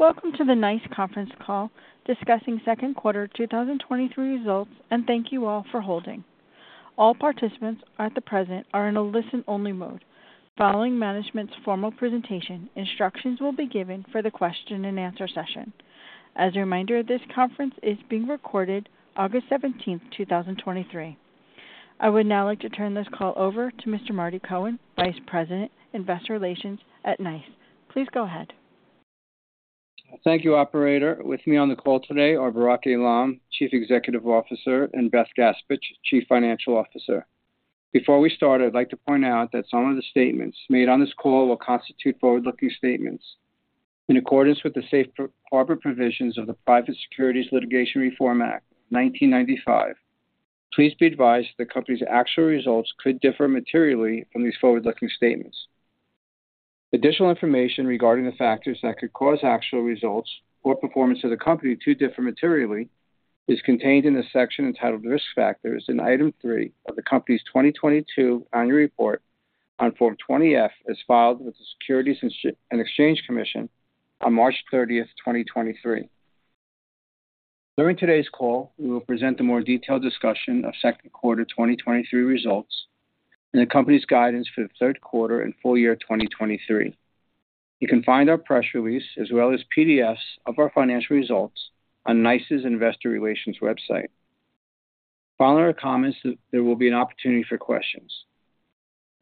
Welcome to the NICE conference call discussing second quarter 2023 results, and thank you all for holding. All participants at the present are in a listen-only mode. Following management's formal presentation, instructions will be given for the question and answer session. As a reminder, this conference is being recorded August seventeenth, 2023. I would now like to turn this call over to Mr. Marty Cohen, Vice President, Investor Relations at NICE. Please go ahead. Thank you, operator. With me on the call today are Barak Eilam, Chief Executive Officer, and Beth Gaspich, Chief Financial Officer. Before we start, I'd like to point out that some of the statements made on this call will constitute forward-looking statements. In accordance with the safe harbor provisions of the Private Securities Litigation Reform Act, 1995, please be advised that the company's actual results could differ materially from these forward-looking statements. Additional information regarding the factors that could cause actual results or performance of the company to differ materially is contained in the section entitled Risk Factors in Item 3 of the company's 2022 Annual Report on Form 20-F, as filed with the Securities and Exchange Commission on March 30th, 2023. During today's call, we will present a more detailed discussion of second quarter 2023 results and the company's guidance for the third quarter and full year 2023. You can find our press release, as well as PDFs of our financial results, on NICE's Investor Relations website. Following our comments, there will be an opportunity for questions.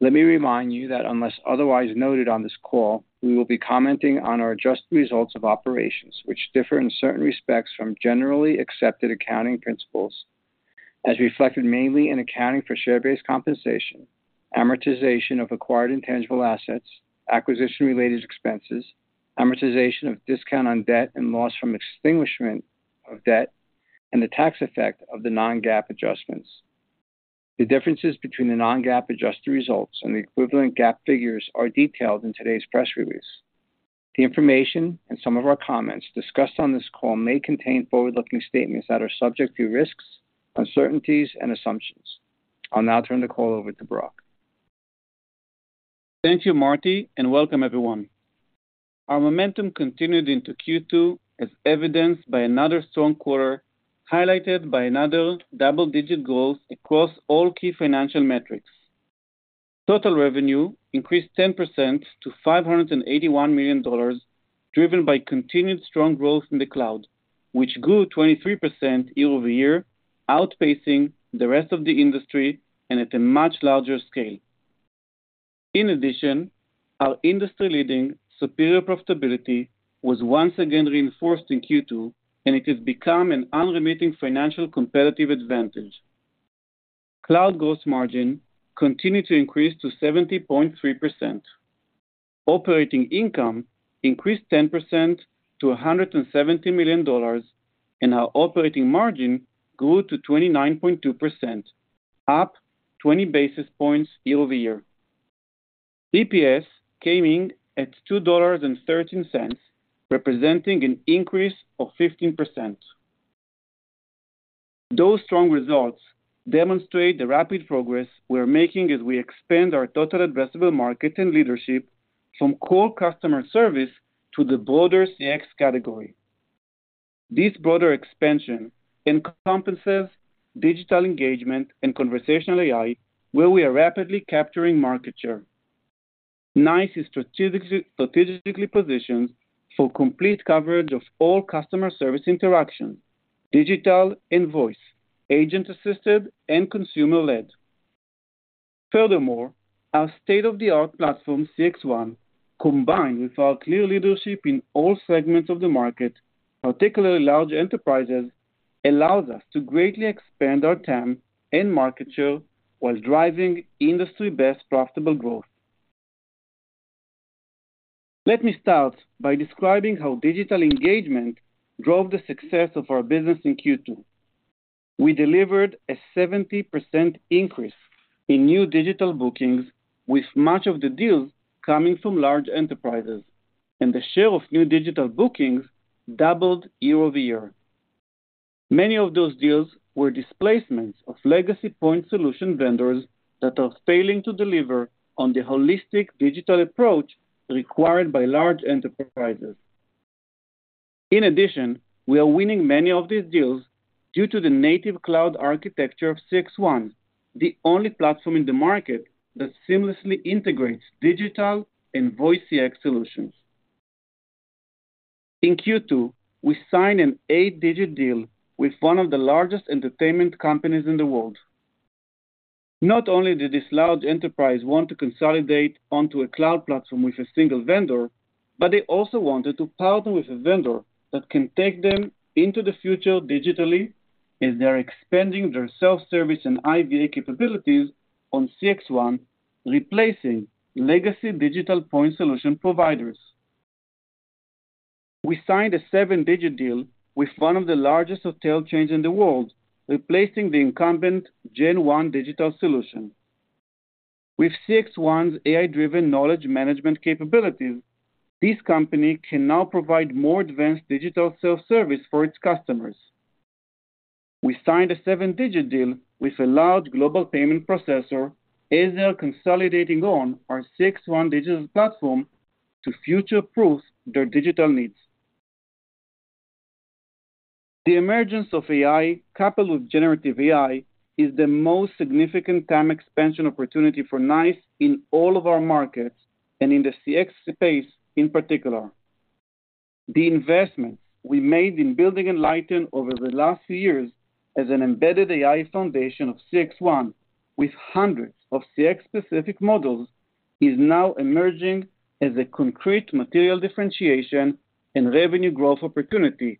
Let me remind you that unless otherwise noted on this call, we will be commenting on our adjusted results of operations, which differ in certain respects from generally accepted accounting principles, as reflected mainly in accounting for share-based compensation, amortization of acquired intangible assets, acquisition-related expenses, amortization of discount on debt, and loss from extinguishment of debt, and the tax effect of the non-GAAP adjustments. The differences between the non-GAAP adjusted results and the equivalent GAAP figures are detailed in today's press release. The information and some of our comments discussed on this call may contain forward-looking statements that are subject to risks, uncertainties, and assumptions. I'll now turn the call over to Barak. Thank you, Marty, and welcome everyone. Our momentum continued into Q2, as evidenced by another strong quarter, highlighted by another double-digit growth across all key financial metrics. Total revenue increased 10% to $581 million, driven by continued strong growth in the cloud, which grew 23% year-over-year, outpacing the rest of the industry and at a much larger scale. In addition, our industry-leading superior profitability was once again reinforced in Q2, and it has become an unrelenting financial competitive advantage. Cloud gross margin continued to increase to 70.3%. Operating income increased 10% to $170 million, and our operating margin grew to 29.2%, up 20 basis points year-over-year. EPS came in at $2.13, representing an increase of 15%. Those strong results demonstrate the rapid progress we're making as we expand our total addressable market and leadership from core customer service to the broader CX category. This broader expansion encompasses digital engagement and conversational AI, where we are rapidly capturing market share. NICE is strategically positioned for complete coverage of all customer service interactions, digital and voice, agent-assisted and consumer-led. Furthermore, our state-of-the-art platform, CXone, combined with our clear leadership in all segments of the market, particularly large enterprises, allows us to greatly expand our TAM and market share while driving industry-best profitable growth. Let me start by describing how digital engagement drove the success of our business in Q2. We delivered a 70% increase in new digital bookings, with much of the deals coming from large enterprises, and the share of new digital bookings doubled year-over-year. Many of those deals were displacements of legacy point solution vendors that are failing to deliver on the holistic digital approach required by large enterprises. In addition, we are winning many of these deals due to the native cloud architecture of CXone, the only platform in the market that seamlessly integrates digital and voice CX solutions. In Q2, we signed an 8-digit deal with one of the largest entertainment companies in the world. Not only did this large enterprise want to consolidate onto a cloud platform with a single vendor, but they also wanted to partner with a vendor that can take them into the future digitally as they are expanding their self-service and IVA capabilities on CXone, replacing legacy digital point solution providers. We signed a 7-digit deal with one of the largest hotel chains in the world, replacing the incumbent gen one digital solution. With CXone's AI-driven knowledge management capabilities, this company can now provide more advanced digital self-service for its customers. We signed a 7-digit deal with a large global payment processor, as they are consolidating on our CXone digital platform to future-proof their digital needs. The emergence of AI, coupled with generative AI, is the most significant TAM expansion opportunity for NICE in all of our markets, and in the CX space in particular. The investments we made in building Enlighten over the last few years as an embedded AI foundation of CXone, with hundreds of CX-specific models, is now emerging as a concrete material differentiation and revenue growth opportunity,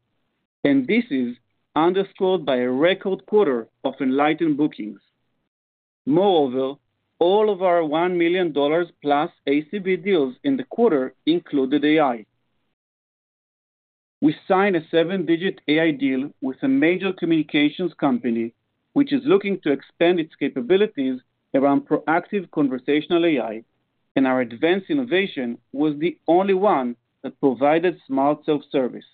and this is underscored by a record quarter of Enlighten bookings. Moreover, all of our $1 million plus ACV deals in the quarter included AI. We signed a 7-digit AI deal with a major communications company, which is looking to expand its capabilities around proactive conversational AI, and our advanced innovation was the only one that provided smart self-service.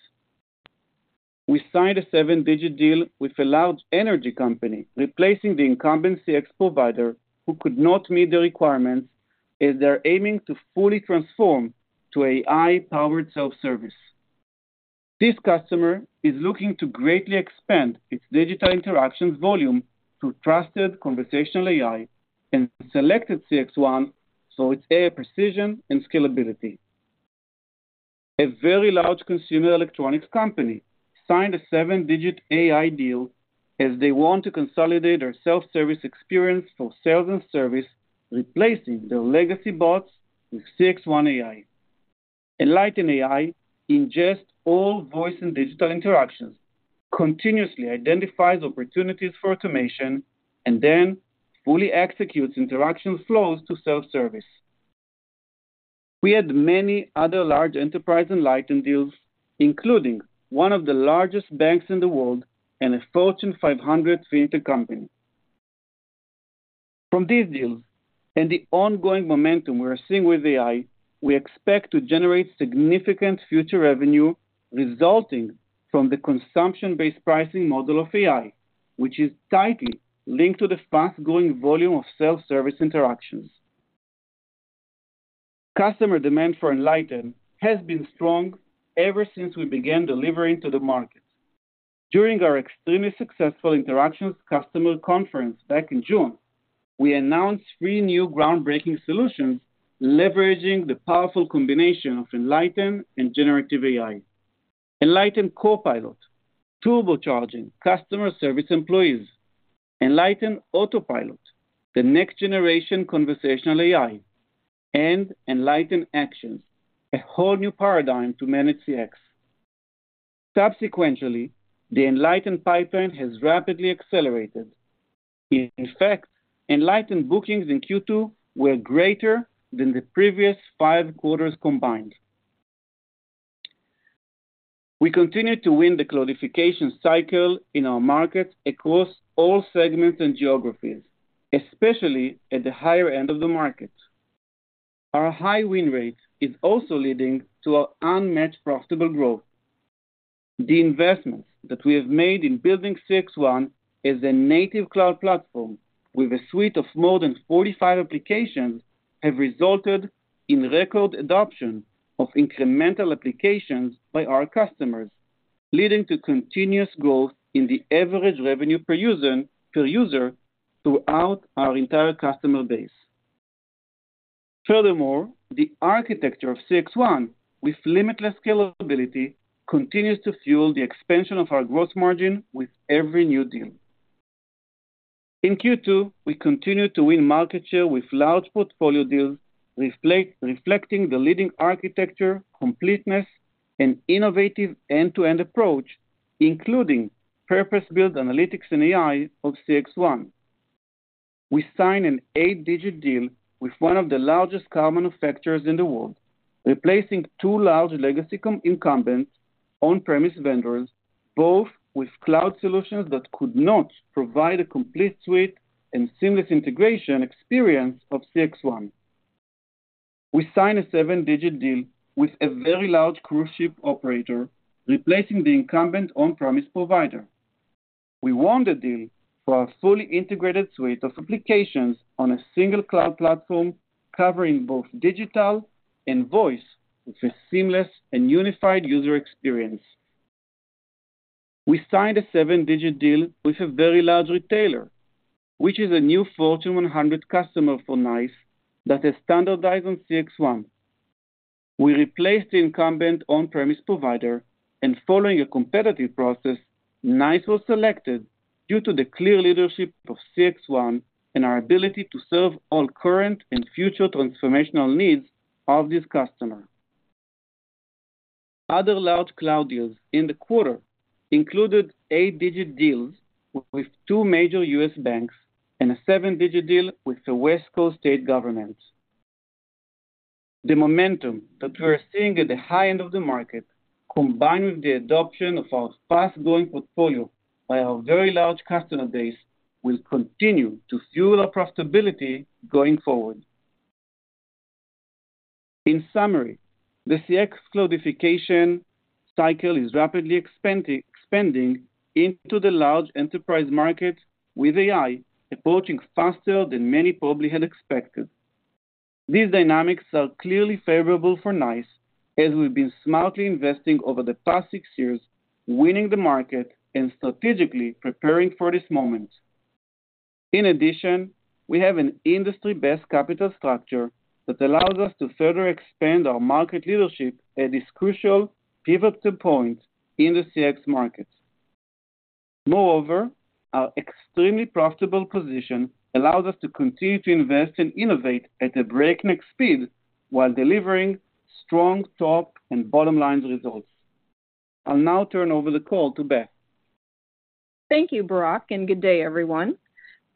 We signed a 7-digit deal with a large energy company, replacing the incumbent CX provider, who could not meet the requirements, as they're aiming to fully transform to AI-powered self-service. This customer is looking to greatly expand its digital interactions volume to trusted conversational AI and selected CXone for its AI precision and scalability. A very large consumer electronics company signed a 7-digit AI deal as they want to consolidate their self-service experience for sales and service, replacing their legacy bots with CXone AI. Enlighten AI ingests all voice and digital interactions, continuously identifies opportunities for automation, and then fully executes interaction flows to self-service. We had many other large enterprise Enlighten deals, including one of the largest banks in the world and a Fortune 500 fintech company. From these deals and the ongoing momentum we are seeing with AI, we expect to generate significant future revenue resulting from the consumption-based pricing model of AI, which is tightly linked to the fast-growing volume of self-service interactions. Customer demand for Enlighten has been strong ever since we began delivering to the market. During our extremely successful Interactions customer conference back in June, we announced three new groundbreaking solutions, leveraging the powerful combination of Enlighten and generative AI. Enlighten Copilot, turbocharging customer service employees, Enlighten Autopilot, the next-generation conversational AI, and Enlighten Actions, a whole new paradigm to manage CX. Subsequently, the Enlighten pipeline has rapidly accelerated. In fact, Enlighten bookings in Q2 were greater than the previous five quarters combined. We continue to win the cloudification cycle in our market across all segments and geographies, especially at the higher end of the market. Our high win rate is also leading to our unmatched profitable growth. The investments that we have made in building CXone as a native cloud platform with a suite of more than 45 applications, have resulted in record adoption of incremental applications by our customers, leading to continuous growth in the average revenue per user, per user throughout our entire customer base. The architecture of CXone, with limitless scalability, continues to fuel the expansion of our gross margin with every new deal. In Q2, we continued to win market share with large portfolio deals, reflecting the leading architecture, completeness, and innovative end-to-end approach, including purpose-built analytics and AI of CXone. We signed an 8-digit deal with one of the largest car manufacturers in the world, replacing two large legacy incumbents, on-premise vendors, both with cloud solutions that could not provide a complete suite and seamless integration experience of CXone. We signed a 7-digit deal with a very large cruise ship operator, replacing the incumbent on-premise provider. We won the deal for our fully integrated suite of applications on a single cloud platform, covering both digital and voice, with a seamless and unified user experience. We signed a 7-digit deal with a very large retailer, which is a new Fortune 100 customer for NICE, that has standardized on CXone. Following a competitive process, NICE was selected due to the clear leadership of CXone and our ability to serve all current and future transformational needs of this customer. Other large cloud deals in the quarter included eight-digit deals with 2 major US banks and a seven-digit deal with the West Coast state government. The momentum that we are seeing at the high end of the market, combined with the adoption of our fast-growing portfolio by our very large customer base, will continue to fuel our profitability going forward. In summary, the CX cloudification cycle is rapidly expanding into the large enterprise market, with AI approaching faster than many probably had expected. These dynamics are clearly favorable for NICE, as we've been smartly investing over the past 6 years, winning the market and strategically preparing for this moment. In addition, we have an industry-best capital structure that allows us to further expand our market leadership at this crucial pivotal point in the CX market. Moreover, our extremely profitable position allows us to continue to invest and innovate at a breakneck speed while delivering strong top and bottom line results. I'll now turn over the call to Beth. Thank you, Barak, and good day, everyone.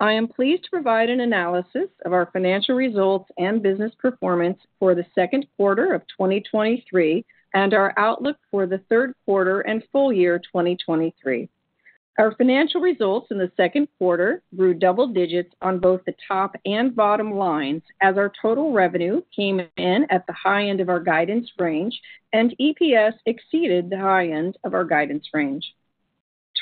I am pleased to provide an analysis of our financial results and business performance for the second quarter of 2023, and our outlook for the third quarter and full year 2023. Our financial results in the second quarter grew double digits on both the top and bottom lines, as our total revenue came in at the high end of our guidance range, and EPS exceeded the high end of our guidance range.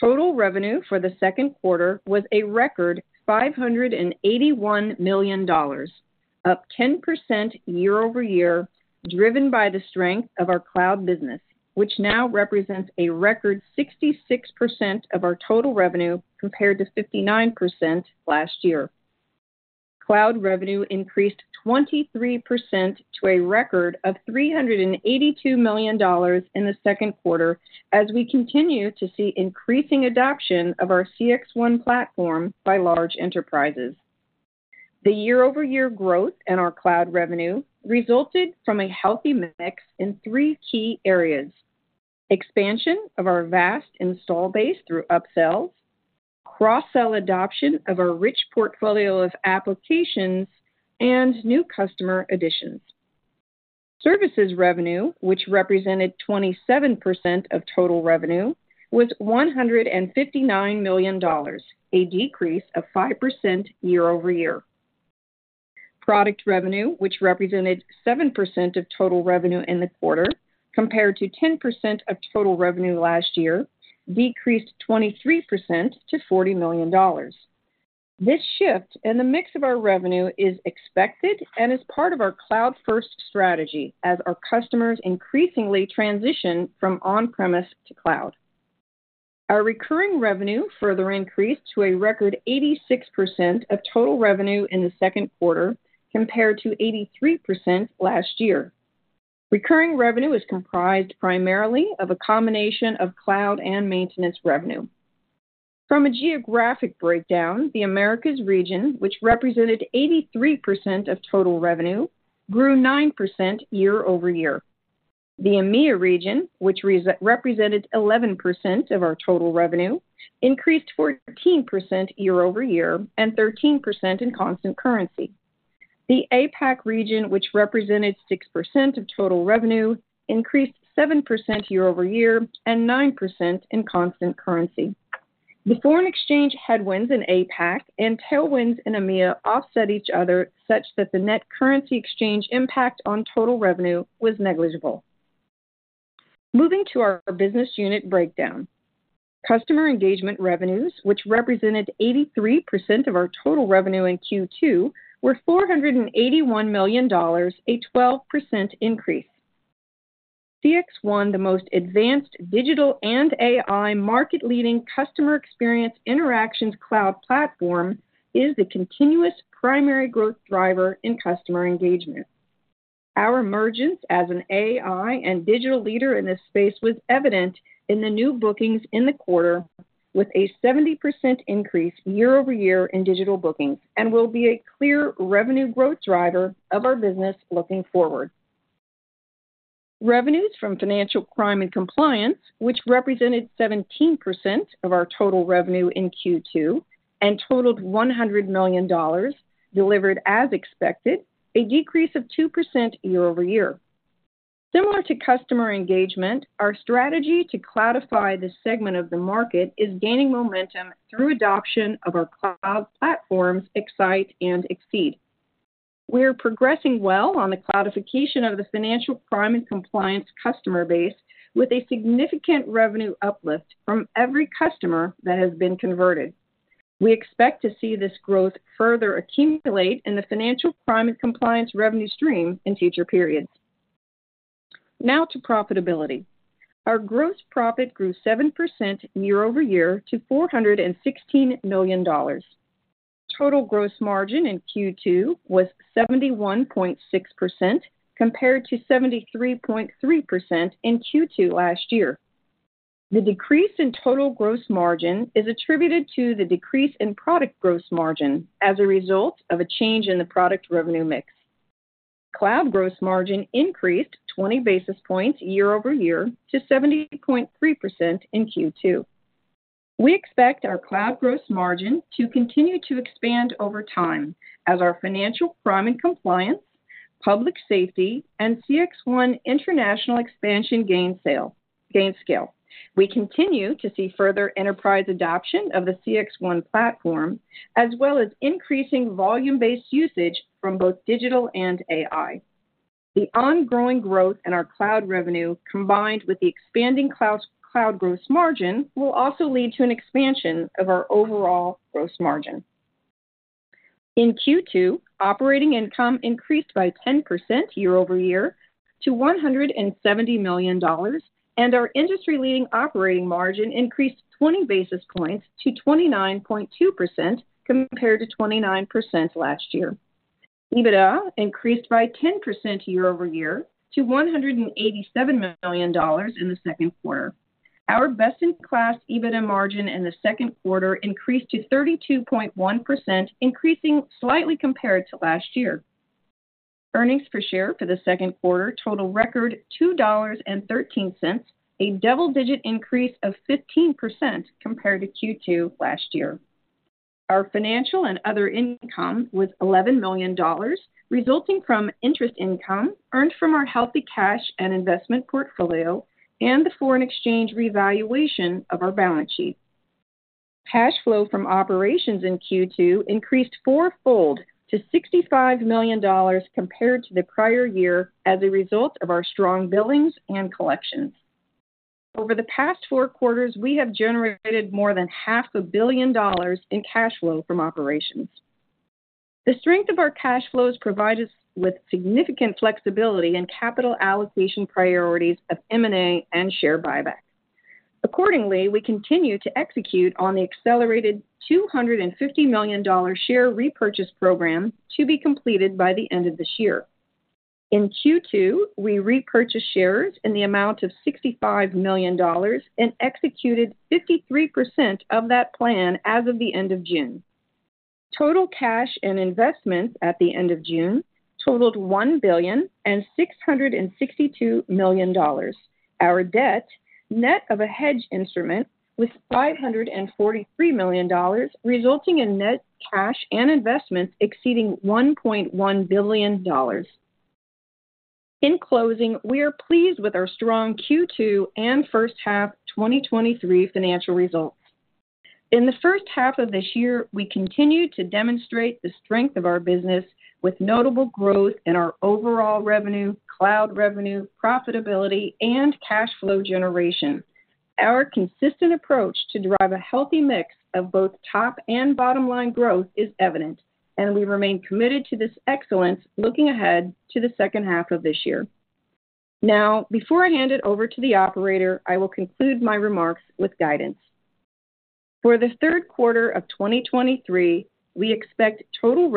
Total revenue for the second quarter was a record $581 million, up 10% year-over-year, driven by the strength of our cloud business, which now represents a record 66% of our total revenue, compared to 59% last year. Cloud revenue increased 23% to a record of $382 million in the second quarter, as we continue to see increasing adoption of our CXone platform by large enterprises. The year-over-year growth in our cloud revenue resulted from a healthy mix in three key areas: expansion of our vast install base through upsells, cross-sell adoption of our rich portfolio of applications, and new customer additions. Services revenue, which represented 27% of total revenue, was $159 million, a decrease of 5% year-over-year. Product revenue, which represented 7% of total revenue in the quarter, compared to 10% of total revenue last year, decreased 23% to $40 million. This shift in the mix of our revenue is expected and is part of our cloud-first strategy, as our customers increasingly transition from on-premise to cloud. Our recurring revenue further increased to a record 86% of total revenue in the second quarter, compared to 83% last year. Recurring revenue is comprised primarily of a combination of cloud and maintenance revenue. From a geographic breakdown, the Americas region, which represented 83% of total revenue, grew 9% year-over-year. The EMEA region, which represented 11% of our total revenue, increased 14% year-over-year and 13% in constant currency. The APAC region, which represented 6% of total revenue, increased 7% year-over-year and 9% in constant currency. The foreign exchange headwinds in APAC and tailwinds in EMEA offset each other, such that the net currency exchange impact on total revenue was negligible. Moving to our business unit breakdown. Customer engagement revenues, which represented 83% of our total revenue in Q2, were $481 million, a 12% increase. CXone, the most advanced digital and AI market-leading customer experience interactions cloud platform, is the continuous primary growth driver in customer engagement. Our emergence as an AI and digital leader in this space was evident in the new bookings in the quarter, with a 70% increase year-over-year in digital bookings, and will be a clear revenue growth driver of our business looking forward. Revenues from financial crime and compliance, which represented 17% of our total revenue in Q2 and totaled $100 million, delivered as expected, a decrease of 2% year-over-year. Similar to customer engagement, our strategy to cloudify this segment of the market is gaining momentum through adoption of our cloud platforms, X- and iCXeed. We are progressing well on the cloudification of the financial crime and compliance customer base, with a significant revenue uplift from every customer that has been converted. We expect to see this growth further accumulate in the financial crime and compliance revenue stream in future periods. Now to profitability. Our gross profit grew 7% year-over-year to $416 million. Total gross margin in Q2 was 71.6%, compared to 73.3% in Q2 last year. The decrease in total gross margin is attributed to the decrease in product gross margin as a result of a change in the product revenue mix. Cloud gross margin increased 20 basis points year-over-year to 70.3% in Q2. We expect our cloud gross margin to continue to expand over time as our financial crime and compliance, public safety, and CXone international expansion gain sales. gain scale. We continue to see further enterprise adoption of the CXone platform, as well as increasing volume-based usage from both digital and AI. The ongoing growth in our cloud revenue, combined with the expanding cloud, cloud gross margin, will also lead to an expansion of our overall gross margin. In Q2, operating income increased by 10% year-over-year to $170 million, and our industry-leading operating margin increased 20 basis points to 29.2%, compared to 29% last year. EBITDA increased by 10% year-over-year to $187 million in the second quarter. Our best-in-class EBITDA margin in the second quarter increased to 32.1%, increasing slightly compared to last year. Earnings per share for the second quarter total record $2.13, a double-digit increase of 15% compared to Q2 last year. Our financial and other income was $11 million, resulting from interest income earned from our healthy cash and investment portfolio, and the foreign exchange revaluation of our balance sheet. Cash flow from operations in Q2 increased fourfold to $65 million compared to the prior year as a result of our strong billings and collections. Over the past four quarters, we have generated more than $500 million in cash flow from operations. The strength of our cash flows provide us with significant flexibility in capital allocation priorities of M&A and share buybacks. Accordingly, we continue to execute on the accelerated $250 million share repurchase program to be completed by the end of this year. In Q2, we repurchased shares in the amount of $65 million and executed 53% of that plan as of the end of June. Total cash and investments at the end of June totaled $1.662 billion. Our debt, net of a hedge instrument, was $543 million, resulting in net cash and investments exceeding $1.1 billion. In closing, we are pleased with our strong Q2 and first half 2023 financial results. In the first half of this year, we continued to demonstrate the strength of our business with notable growth in our overall revenue, cloud revenue, profitability, and cash flow generation. Our consistent approach to drive a healthy mix of both top and bottom line growth is evident, and we remain committed to this excellence looking ahead to the second half of this year. Now, before I hand it over to the operator, I will conclude my remarks with guidance. For the third quarter of 2023, we expect total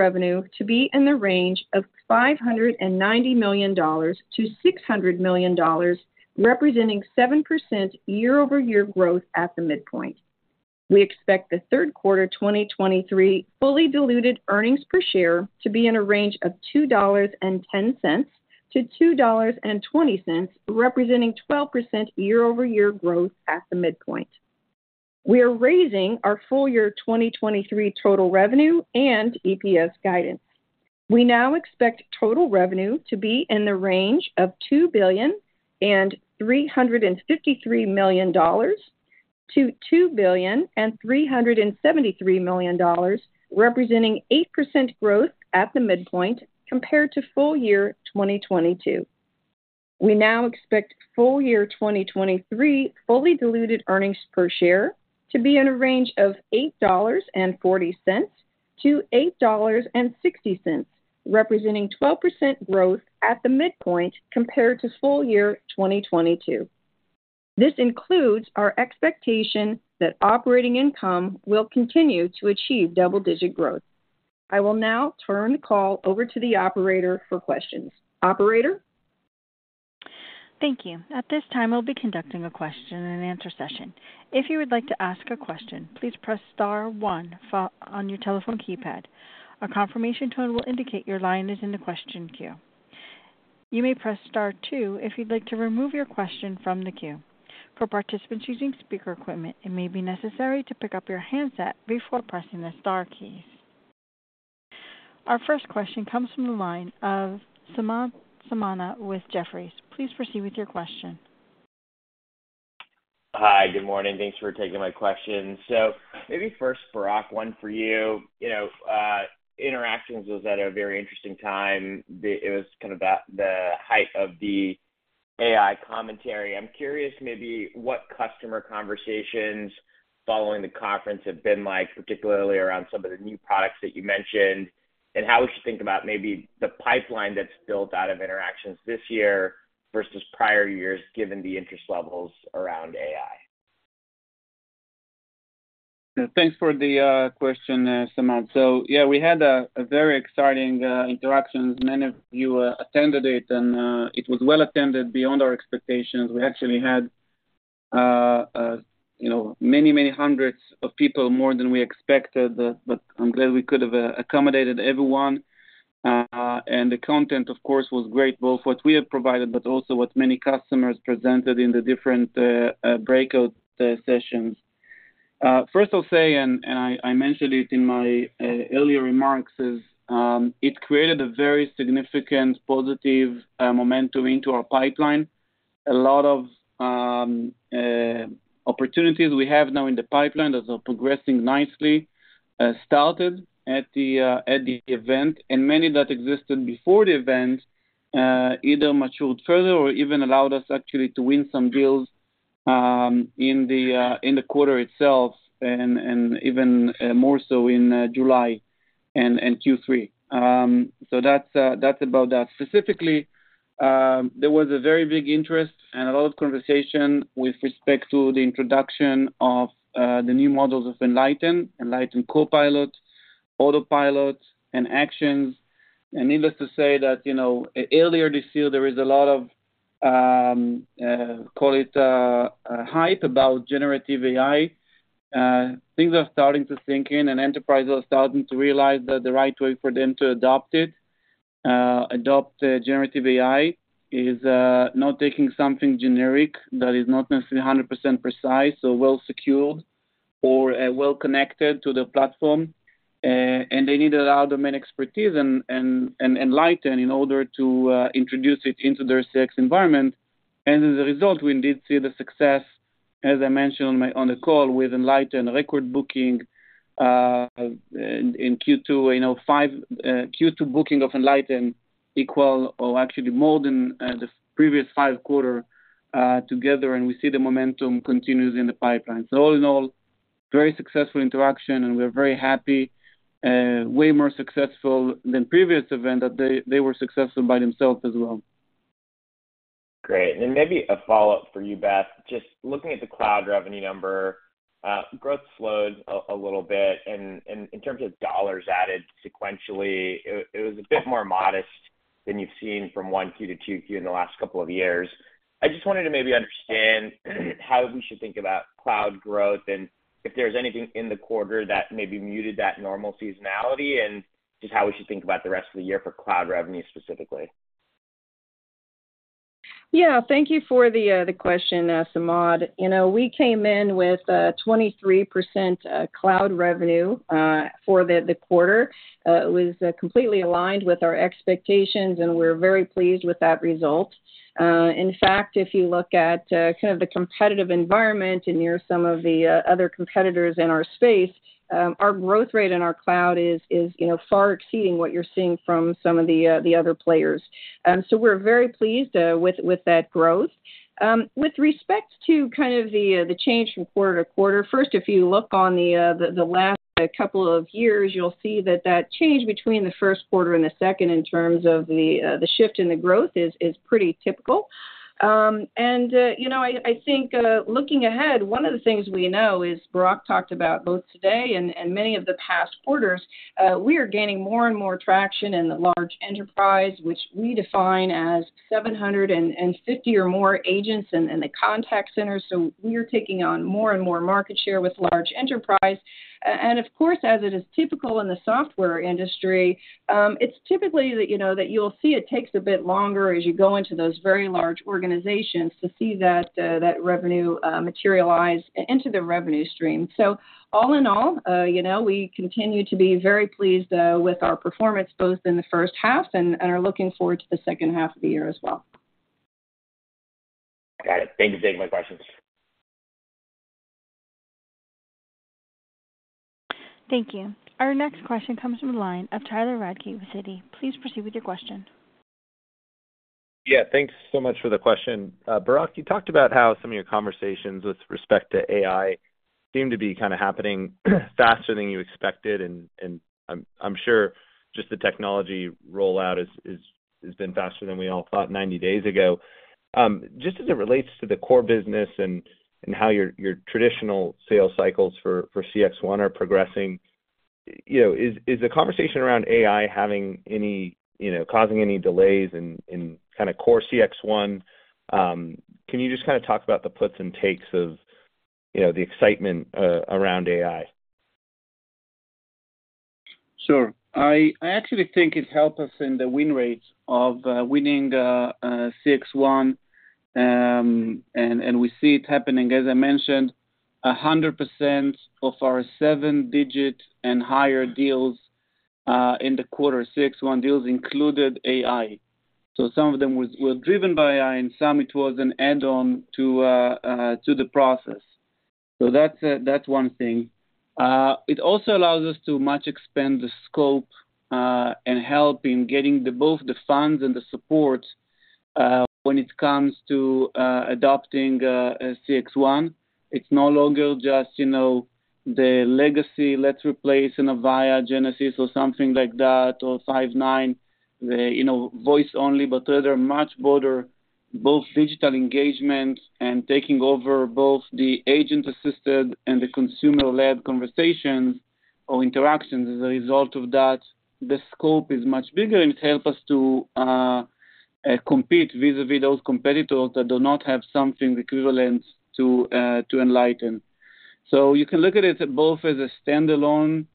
revenue to be in the range of $590 million-$600 million, representing 7% year-over-year growth at the midpoint. We expect the third quarter 2023 fully diluted earnings per share to be in a range of $2.10-$2.20, representing 12% year-over-year growth at the midpoint. We are raising our full year 2023 total revenue and EPS guidance. We now expect total revenue to be in the range of $2,353 million-$2,373 million, representing 8% growth at the midpoint compared to full year 2022. We now expect full year 2023 fully diluted earnings per share to be in a range of $8.40-$8.60, representing 12% growth at the midpoint compared to full year 2022. This includes our expectation that operating income will continue to achieve double-digit growth. I will now turn the call over to the operator for questions. Operator? Thank you. At this time, we'll be conducting a question and answer session. If you would like to ask a question, please press star one on your telephone keypad. A confirmation tone will indicate your line is in the question queue. You may press star two if you'd like to remove your question from the queue. For participants using speaker equipment, it may be necessary to pick up your handset before pressing the star keys. Our first question comes from the line of Samad Samana with Jefferies. Please proceed with your question. Hi, good morning. Thanks for taking my question. Maybe first, Barak, one for you. You know, Interactions was at a very interesting time. The, it was kind of the, the height of the AI commentary. I'm curious maybe what customer conversations following the conference have been like, particularly around some of the new products that you mentioned, and how we should think about maybe the pipeline that's built out of Interactions this year versus prior years, given the interest levels around AI. Thanks for the question, Samad. Yeah, we had a very exciting Interactions. Many of you attended it, and it was well attended beyond our expectations. We actually had, you know, many, many hundreds of people, more than we expected, but I'm glad we could have accommodated everyone. The content, of course, was great, both what we have provided, but also what many customers presented in the different breakout sessions. First I'll say, I mentioned it in my earlier remarks, it created a very significant positive momentum into our pipeline. A lot of opportunities we have now in the pipeline that are progressing nicely, started at the event, and many that existed before the event, either matured further or even allowed us actually to win some deals in the quarter itself and even more so in July and Q3. That's that's about that. Specifically, there was a very big interest and a lot of conversation with respect to the introduction of the new models of Enlighten, Enlighten Copilot, Autopilot, and Actions. Needless to say that, you know, earlier this year, there is a lot of, call it, hype about generative AI. Things are starting to sink in, and enterprises are starting to realize that the right way for them to adopt it, adopt generative AI, is not taking something generic that is not necessarily 100% precise or well-secured or well connected to the platform. And they need a lot of domain expertise and, and, and Enlighten in order to introduce it into their CX environment. As a result, we indeed see the success, as I mentioned on the call, with Enlighten record booking in Q2, you know, 5 Q2 booking of Enlighten equal or actually more than the previous 5 quarter together, and we see the momentum continues in the pipeline. All in all, very successful interaction, and we're very happy, way more successful than previous event, that they, they were successful by themselves as well. Great. Maybe a follow-up for you, Beth. Just looking at the cloud revenue number, growth slowed a little bit, in terms of dollars added sequentially, it was a bit more modest than you've seen from 1Q to 2Q in the last couple of years. I just wanted to maybe understand how we should think about cloud growth and if there's anything in the quarter that maybe muted that normal seasonality, and just how we should think about the rest of the year for cloud revenue, specifically. Yeah, thank you for the question, Samad. You know, we came in with 23% cloud revenue for the quarter. It was completely aligned with our expectations, and we're very pleased with that result. In fact, if you look at kind of the competitive environment and near some of the other competitors in our space, our growth rate in our cloud is, is, you know, far exceeding what you're seeing from some of the other players. We're very pleased with that growth. With respect to kind of the, the change from quarter to quarter, first, if you look on the, the, the last couple of years, you'll see that that change between the first quarter and the second, in terms of the, the shift in the growth, is, is pretty typical. You know, I, I think, looking ahead, one of the things we know is Barak talked about both today and, and many of the past quarters, we are gaining more and more traction in the large enterprise, which we define as 750 or more agents in, in the contact center. We are taking on more and more market share with large enterprise. Of course, as it is typical in the software industry, it's typically that, you know, that you'll see it takes a bit longer as you go into those very large organizations to see that revenue materialize into the revenue stream. All in all, you know, we continue to be very pleased with our performance, both in the first half and, and are looking forward to the second half of the year as well. Got it. Thank you for taking my questions. Thank you. Our next question comes from the line of Tyler Radke with Citi. Please proceed with your question. Yeah, thanks so much for the question. Barak, you talked about how some of your conversations with respect to AI seem to be kind of happening faster than you expected, and I'm sure just the technology rollout has been faster than we all thought 90 days ago. Just as it relates to the core business and how your traditional sales cycles for CXone are progressing, you know, is the conversation around AI having any, you know, causing any delays in kind of core CXone? Can you just kind of talk about the puts and takes of, you know, the excitement around AI? Sure. I, I actually think it helped us in the win rates of winning CXone. And we see it happening. As I mentioned, 100% of our 7-digit and higher deals in the quarter, CXone deals included AI. Some of them was, were driven by AI, and some it was an add-on to the process. That's one thing. It also allows us to much expand the scope and help in getting the, both the funds and the support when it comes to adopting a CXone. It's no longer just, you know, the legacy, let's replace an Avaya, Genesys or something like that, or Five9, the, you know, voice only, but rather much broader, both digital engagement and taking over both the agent-assisted and the consumer-led conversations or interactions. As a result of that, the scope is much bigger, and it help us to compete vis-a-vis those competitors that do not have something equivalent to Enlighten. You can look at it both as a standalone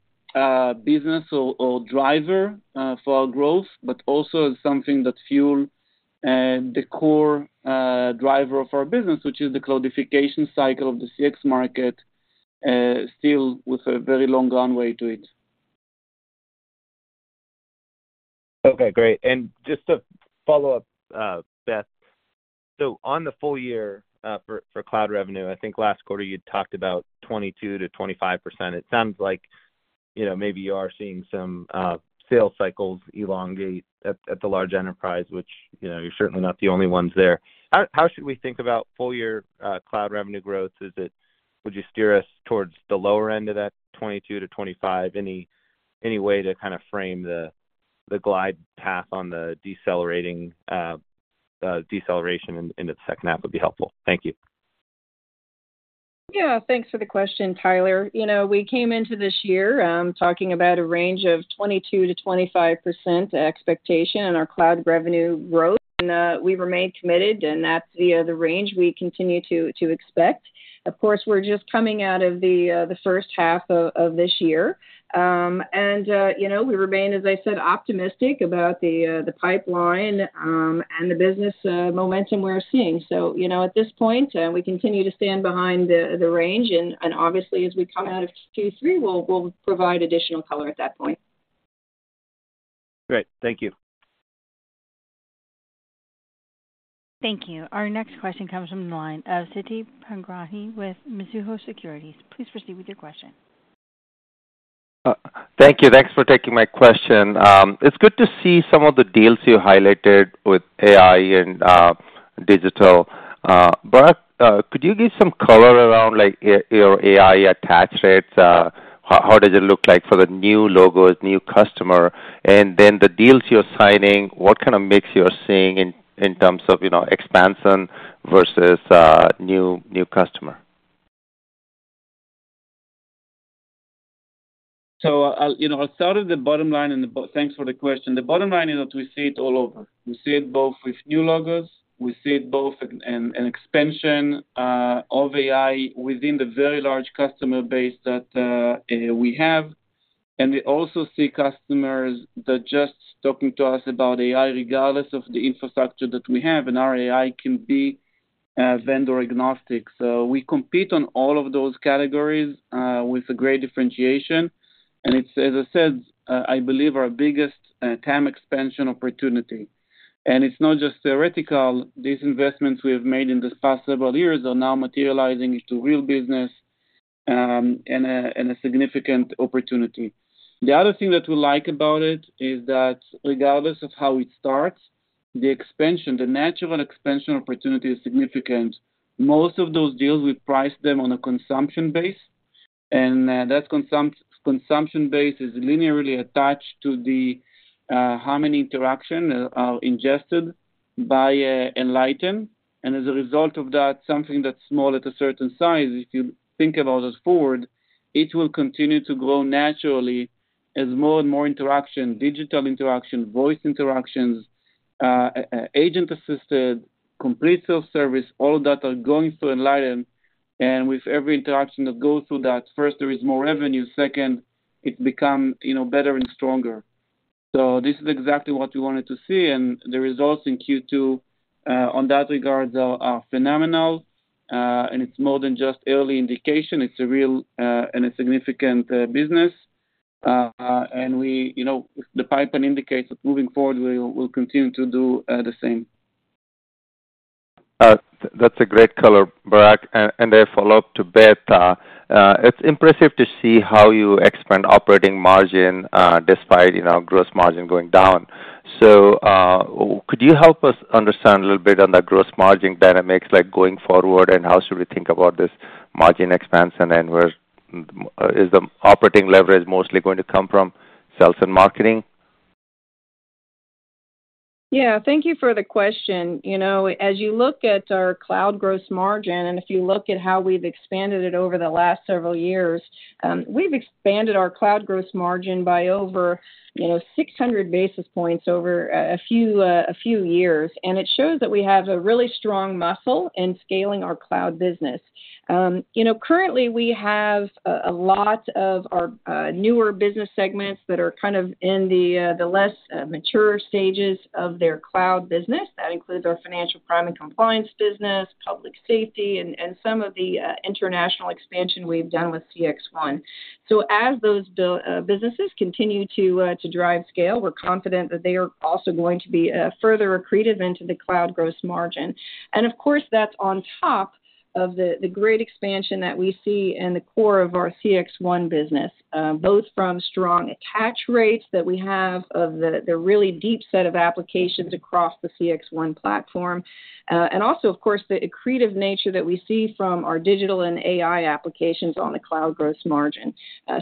business or, or driver for our growth, but also as something that and the core driver of our business, which is the cloudification cycle of the CX market, still with a very long runway to it. Okay, great. Just to follow up, Beth, on the full year, for cloud revenue, I think last quarter you talked about 22%-25%. It sounds like, you know, maybe you are seeing some sales cycles elongate at, at the large enterprise, which, you know, you're certainly not the only ones there. How, how should we think about full year cloud revenue growth? Would you steer us towards the lower end of that 22%-25%? Any, any way to kind of frame the, the glide path on the decelerating, the deceleration in, into the second half would be helpful. Thank you. Yeah, thanks for the question, Tyler. You know, we came into this year, talking about a range of 22%-25% expectation in our cloud revenue growth, and we remain committed, and that's the range we continue to expect. Of course, we're just coming out of the first half of this year. You know, we remain, as I said, optimistic about the pipeline, and the business momentum we're seeing. You know, at this point, we continue to stand behind the range, and obviously, as we come out of Q3, we'll provide additional color at that point. Great. Thank you. Thank you. Our next question comes from the line of Siti Panigrahi with Mizuho Securities. Please proceed with your question. Thank you. Thanks for taking my question. It's good to see some of the deals you highlighted with AI and digital. Barak, could you give some color around, like, your, your AI attach rates? How does it look like for the new logos, new customer? The deals you're signing, what kind of mix you're seeing in, in terms of, you know, expansion versus new, new customer? I'll, you know, I'll start at the bottom line, thanks for the question. The bottom line is that we see it all over. We see it both with new logos, we see it both in, in an expansion of AI within the very large customer base that we have. We also see customers that are just talking to us about AI, regardless of the infrastructure that we have, and our AI can be vendor agnostic. We compete on all of those categories with a great differentiation. It's, as I said, I believe our biggest TAM expansion opportunity. It's not just theoretical. These investments we have made in the past several years are now materializing into real business, and a significant opportunity. The other thing that we like about it is that regardless of how it starts, the expansion, the natural expansion opportunity is significant. Most of those deals, we price them on a consumption base, that consumption base is linearly attached to the how many interaction are ingested by Enlighten. As a result of that, something that's small at a certain size, if you think about it forward, it will continue to grow naturally as more and more interaction, digital interaction, voice interactions, agent assisted, complete self-service, all that are going through Enlighten. With every interaction that goes through that, first, there is more revenue, second, it become, you know, better and stronger. This is exactly what we wanted to see, the results in Q2 on that regard are, are phenomenal, it's more than just early indication. It's a real, and a significant, business. We, you know, the pipeline indicates that moving forward, we will, we'll continue to do, the same. That's a great color, Barak. A follow-up to Beth, it's impressive to see how you expand operating margin, despite, you know, gross margin going down. Could you help us understand a little bit on the gross margin dynamics, like, going forward, and how should we think about this margin expansion, and where is the operating leverage mostly going to come from? Sales and marketing? Yeah. Thank you for the question. You know, as you look at our cloud gross margin, and if you look at how we've expanded it over the last several years, we've expanded our cloud gross margin by over, you know, 600 basis points over a few years. It shows that we have a really strong muscle in scaling our cloud business. You know, currently we have a lot of our newer business segments that are kind of in the less mature stages of their cloud business. That includes our financial crime and compliance business, public safety, and some of the international expansion we've done with CXone. As those businesses continue to drive scale, we're confident that they are also going to be further accretive into the cloud gross margin. Of course, that's on top of the great expansion that we see in the core of our CXone business, both from strong attach rates that we have of the really deep set of applications across the CXone platform. Also, of course, the accretive nature that we see from our digital and AI applications on the cloud gross margin. A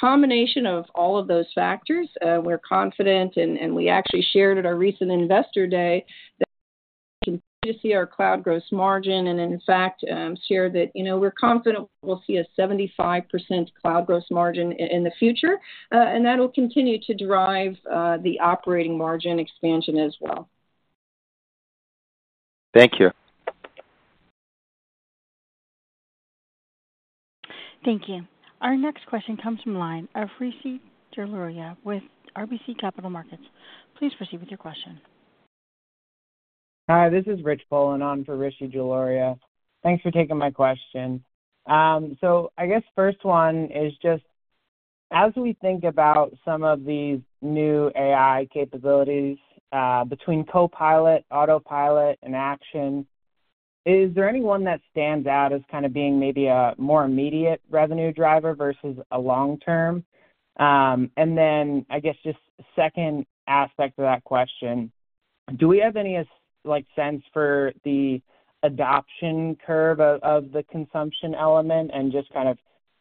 combination of all of those factors, we're confident, and we actually shared at our recent Investor Day that we see our cloud gross margin, and in fact, share that, you know, we're confident we'll see a 75% cloud gross margin in the future, and that will continue to drive the operating margin expansion as well. Thank you. Thank you. Our next question comes from line of Rishi Jaluria with RBC Capital Markets. Please proceed with your question. Hi, this is Rich Poland on for Rishi Jaluria. Thanks for taking my question. I guess first one is just, as we think about some of these new AI capabilities, between Copilot, Autopilot, and Actions, is there any one that stands out as kind of being maybe a more immediate revenue driver versus a long term? Then I guess just second aspect of that question, do we have any, like, sense for the adoption curve of, of the consumption element and just kind of,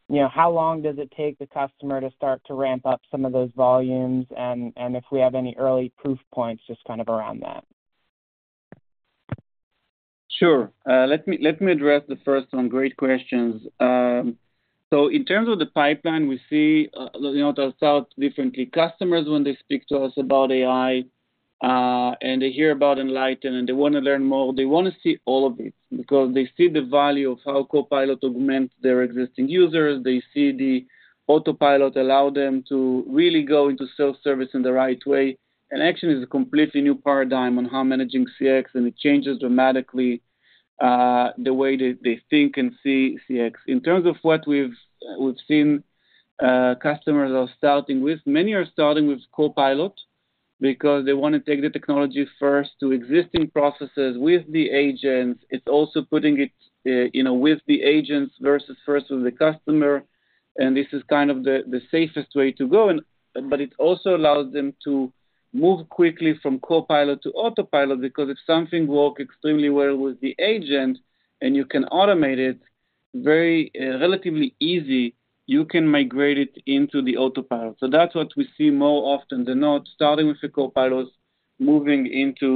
you know, how long does it take the customer to start to ramp up some of those volumes? If we have any early proof points, just kind of around that? Sure. Let me, let me address the first one. Great questions. In terms of the pipeline, we see, you know, to start differently, customers, when they speak to us about AI, and they hear about Enlighten and they want to learn more, they want to see all of it because they see the value of how Copilot augments their existing users. They see the Autopilot allow them to really go into self-service in the right way. Action is a completely new paradigm on how managing CX, and it changes dramatically, the way they, they think and see CX. In terms of what we've, we've seen, customers are starting with, many are starting with Copilot because they want to take the technology first to existing processes with the agents. It's also putting it, you know, with the agents versus first with the customer, and this is kind of the, the safest way to go. But it also allows them to move quickly from Copilot to Autopilot, because if something works extremely well with the agent and you can automate it very, relatively easy, you can migrate it into the Autopilot. That's what we see more often than not, starting with the Copilots, moving into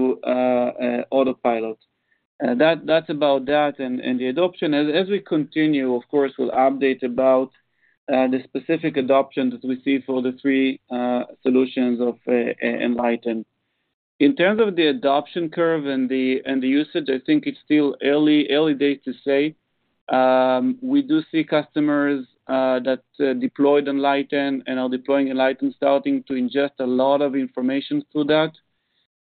Autopilot. That, that's about that and, and the adoption. As, as we continue, of course, we'll update about the specific adoptions that we see for the three solutions of Enlighten. In terms of the adoption curve and the, and the usage, I think it's still early, early days to say. We do see customers that deployed Enlighten and are deploying Enlighten, starting to ingest a lot of information through that.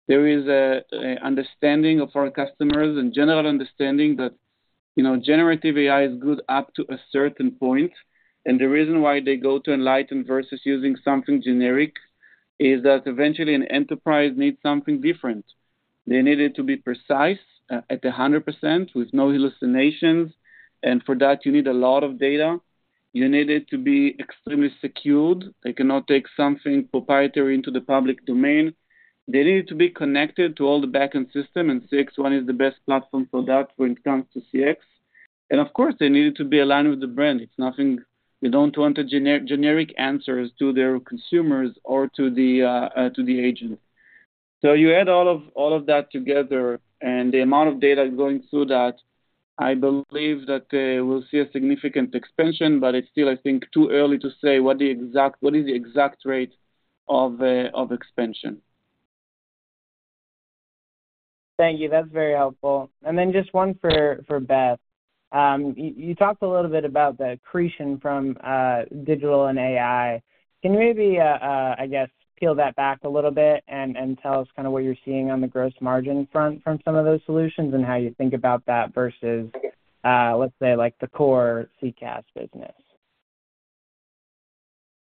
There is a understanding of our customers and general understanding that, you know, generative AI is good up to a certain point, and the reason why they go to Enlighten versus using something generic is that eventually an enterprise needs something different. They need it to be precise, at 100% with no hallucinations, and for that, you need a lot of data. You need it to be extremely secured. They cannot take something proprietary into the public domain. They need to be connected to all the backend system. CXone is the best platform for that when it comes to CX. Of course, they need it to be aligned with the brand. It's nothing... They don't want a generic answers to their consumers or to the agent. You add all of, all of that together and the amount of data going through that, I believe that, we'll see a significant expansion, but it's still, I think, too early to say what is the exact rate of expansion. Thank you. That's very helpful. Then just one for, for Beth. You talked a little bit about the accretion from digital and AI. Can you maybe, I guess, peel that back a little bit and tell us kind of what you're seeing on the gross margin front from some of those solutions and how you think about that versus, let's say, like, the core CCaaS business?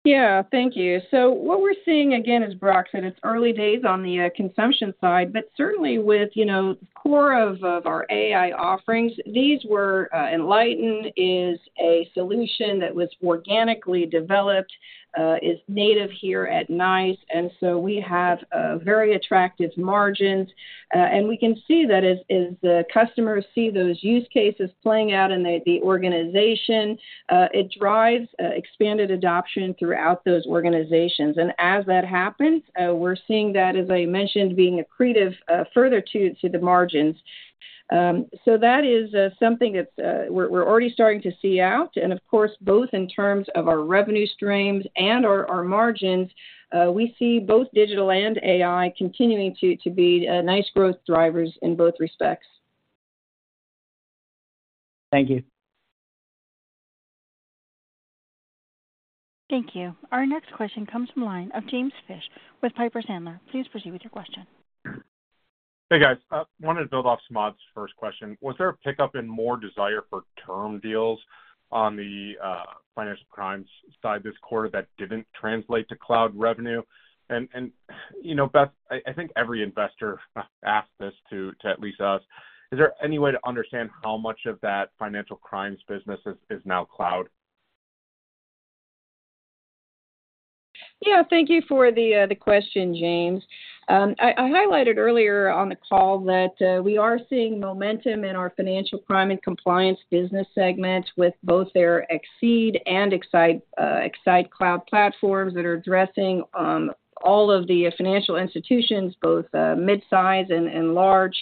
Yeah, thank you. What we're seeing, again, as Barak said, it's early days on the consumption side, but certainly with, you know, core of our AI offerings, these were, Enlighten is a solution that was organically developed, is native here at NICE, and we have very attractive margins. We can see that as the customers see those use cases playing out in the organization, it drives expanded adoption throughout those organizations. As that happens, we're seeing that, as I mentioned, being accretive further to the margins. That is something that we're already starting to see out. Of course, both in terms of our revenue streams and our margins, we see both digital and AI continuing to be nice growth drivers in both respects. Thank you. Thank you. Our next question comes from line of James Fish with Piper Sandler. Please proceed with your question. Hey, guys. Wanted to build off Samad's first question. Was there a pickup in more desire for term deals on the financial crimes side this quarter that didn't translate to cloud revenue? You know, Beth, I, I think every investor asked this to, to at least us: Is there any way to understand how much of that financial crimes business is, is now cloud? Yeah, thank you for the question, James. I, I highlighted earlier on the call that we are seeing momentum in our financial crime and compliance business segments with both their Exceed and Excite cloud platforms that are addressing all of the financial institutions, both mid-size and large.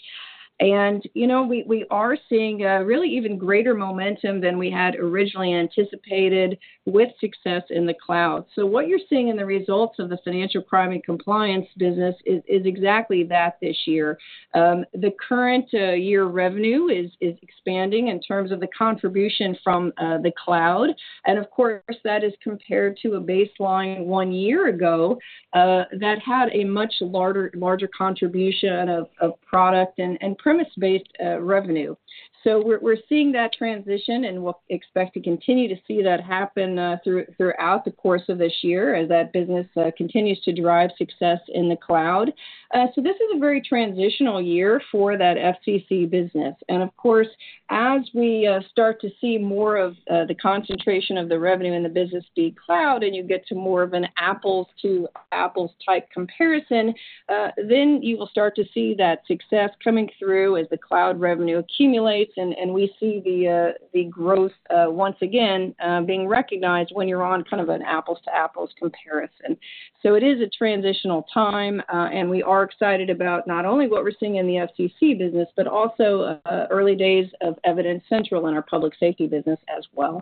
You know, we, we are seeing really even greater momentum than we had originally anticipated with success in the cloud. What you're seeing in the results of the financial crime and compliance business is, is exactly that this year. The current year revenue is, is expanding in terms of the contribution from the cloud. Of course, that is compared to a baseline one year ago that had a much larger, larger contribution of product and premise-based revenue. We're, we're seeing that transition, and we'll expect to continue to see that happen throughout the course of this year as that business continues to drive success in the cloud. This is a very transitional year for that FCC business. Of course, as we start to see more of the concentration of the revenue in the business be cloud, and you get to more of an apples to apples type comparison, then you will start to see that success coming through as the cloud revenue accumulates, and, and we see the growth once again being recognized when you're on kind of an apples to apples comparison. It is a transitional time, and we are excited about not only what we're seeing in the FCC business, but also early days of Evidence Central in our public safety business as well.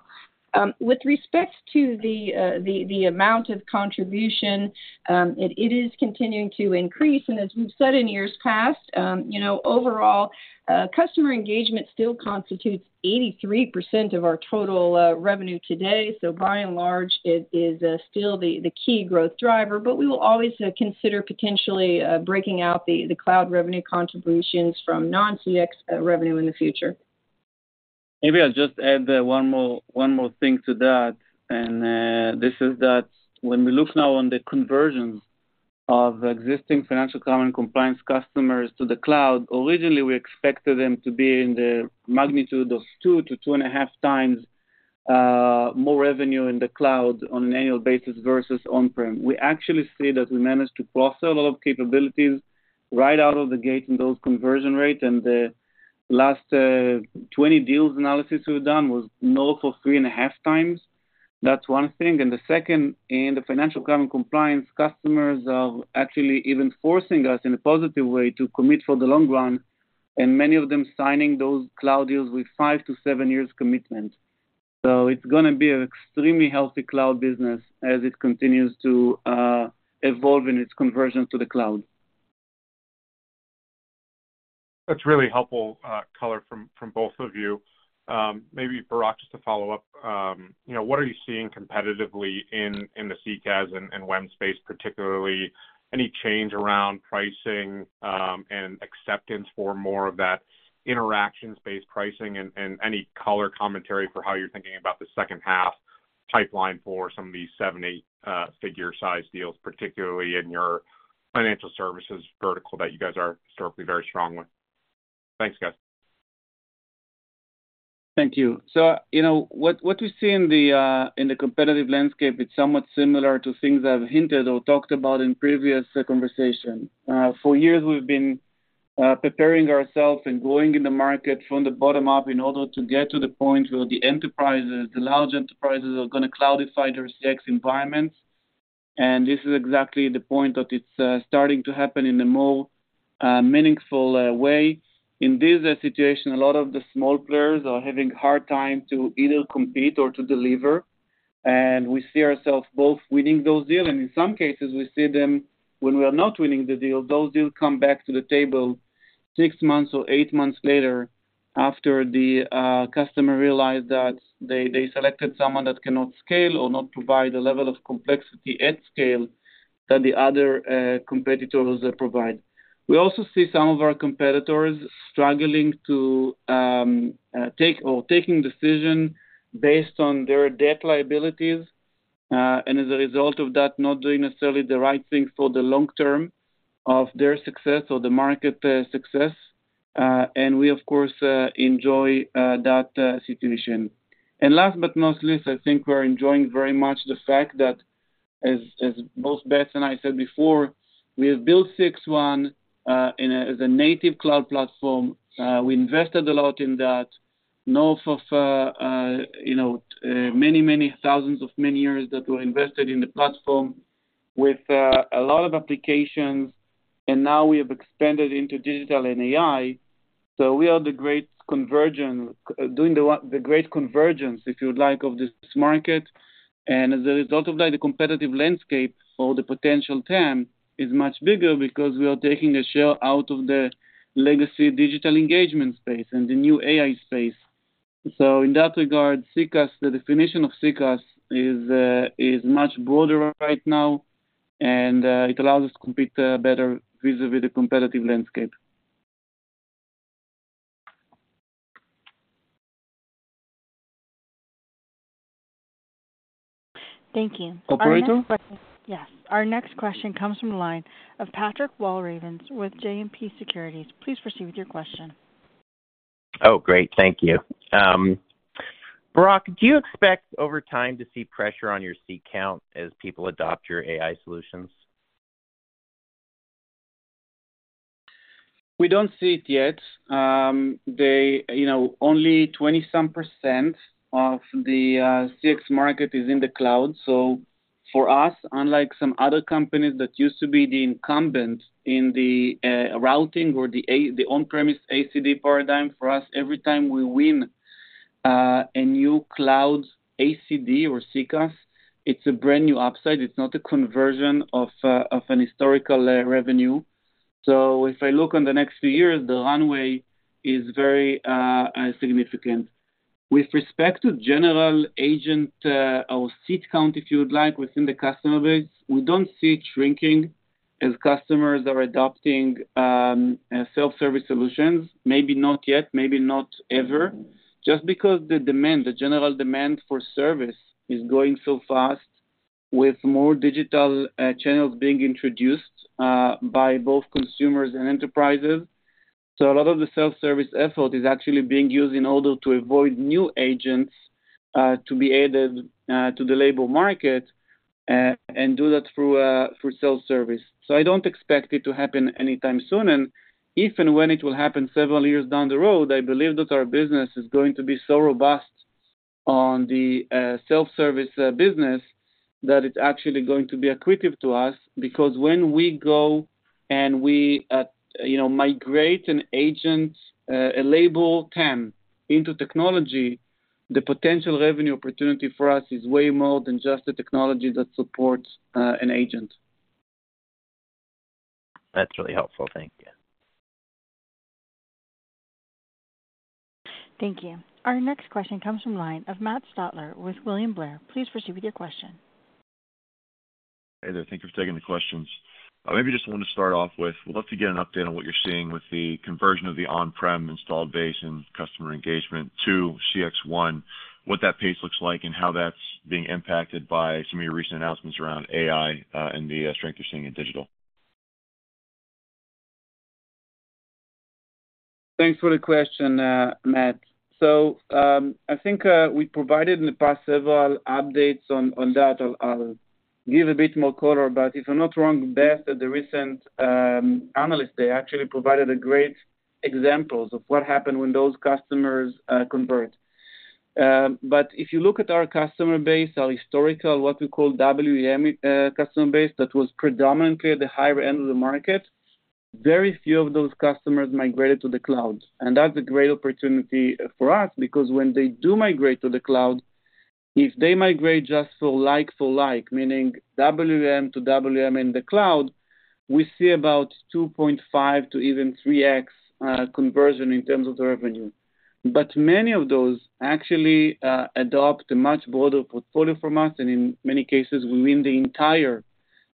With respects to the, the, the amount of contribution, it, it is continuing to increase. As we've said in years past, you know, overall, customer engagement still constitutes 83% of our total revenue today. By and large, it is still the, the key growth driver, but we will always consider potentially breaking out the, the cloud revenue contributions from non-CX revenue in the future. Maybe I'll just add, one more, one more thing to that, and this is that when we look now on the conversions of existing financial crime and compliance customers to the cloud, originally, we expected them to be in the magnitude of 2 to 2.5 times more revenue in the cloud on an annual basis versus on-prem. We actually see that we managed to cross a lot of capabilities right out of the gate in those conversion rates, and the last 20 deals analysis we've done was north of 3.5 times. That's one thing. The second, and the financial crime and compliance customers are actually even forcing us, in a positive way, to commit for the long run, and many of them signing those cloud deals with 5 to 7 years commitment. It's gonna be an extremely healthy cloud business as it continues to evolve in its conversion to the cloud. That's really helpful color from both of you. Maybe, Barak, just to follow up, you know, what are you seeing competitively in the CCaaS and WEM space, particularly any change around pricing and acceptance for more of that interaction space pricing? Any color commentary for how you're thinking about the second half pipeline for some of these 7, 8-figure size deals, particularly in your financial services vertical, that you guys are historically very strong with. Thanks, guys. Thank you. You know, what, what we see in the competitive landscape, it's somewhat similar to things I've hinted or talked about in previous conversation. For years, we've been preparing ourselves and going in the market from the bottom up in order to get to the point where the enterprises, the large enterprises, are gonna cloudify their CX environments. This is exactly the point that it's starting to happen in a more meaningful way. In this situation, a lot of the small players are having a hard time to either compete or to deliver, and we see ourselves both winning those deals, and in some cases, we see them when we are not winning the deal, those deals come back to the table 6 months or 8 months later, after the customer realized that they, they selected someone that cannot scale or not provide the level of complexity at scale that the other competitors provide. We also see some of our competitors struggling to take or taking decision based on their debt liabilities, and as a result of that, not doing necessarily the right thing for the long term of their success or the market success. We, of course, enjoy that situation. Last but not least, I think we're enjoying very much the fact that as, as both Beth and I said before, we have built CXone, in a, as a native cloud platform. We invested a lot in that, north of, you know, many, many thousands of man years that were invested in the platform with a lot of applications, and now we have expanded into digital and AI. We are the great convergence, doing the great convergence, if you like, of this market. As a result of that, the competitive landscape or the potential TAM is much bigger because we are taking a share out of the legacy digital engagement space and the new AI space. In that regard, CCaaS, the definition of CCaaS is, is much broader right now, and it allows us to compete better vis-a-vis the competitive landscape. Thank you. Operator? Yes. Our next question comes from the line of Patrick Walravens with JMP Securities. Please proceed with your question. Oh, great. Thank you. Barak, do you expect over time to see pressure on your seat count as people adopt your AI solutions? We don't see it yet. They, you know, only 20 some % of the CX market is in the cloud. For us, unlike some other companies that used to be the incumbent in the routing or the on-premise ACD paradigm, for us, every time we win a new cloud ACD or CCaaS, it's a brand new upside. It's not a conversion of an historical revenue. If I look on the next few years, the runway is very significant. With respect to general agent or seat count, if you would like, within the customer base, we don't see it shrinking as customers are adopting self-service solutions. Maybe not yet, maybe not ever, just because the demand, the general demand for service is growing so fast with more digital channels being introduced by both consumers and enterprises. A lot of the self-service effort is actually being used in order to avoid new agents to be added to the labor market and do that through through self-service. I don't expect it to happen anytime soon. If and when it will happen several years down the road, I believe that our business is going to be so robust on the self-service business, that it's actually going to be accretive to us. Because when we go and we, you know, migrate an agent, a labor TAM into technology, the potential revenue opportunity for us is way more than just the technology that supports an agent. That's really helpful. Thank you. Thank you. Our next question comes from line of Matt Stotler with William Blair. Please proceed with your question. Hey there. Thank you for taking the questions. Maybe just want to start off with, we'd love to get an update on what you're seeing with the conversion of the on-prem installed base and customer engagement to CXone, what that pace looks like, and how that's being impacted by some of your recent announcements around AI and the strength you're seeing in digital? Thanks for the question, Matt. I think we provided in the past several updates on that. I'll give a bit more color, but if I'm not wrong, Beth, at the recent, Investor Day, actually provided a great examples of what happened when those customers, convert. But if you look at our customer base, our historical, what we call WEM, customer base, that was predominantly at the higher end of the market, very few of those customers migrated to the cloud. That's a great opportunity for us because when they do migrate to the cloud, if they migrate just for like for like, meaning WEM to WEM in the cloud, we see about 2.5 to even 3x conversion in terms of the revenue. Many of those actually, adopt a much broader portfolio from us, and in many cases, we win the entire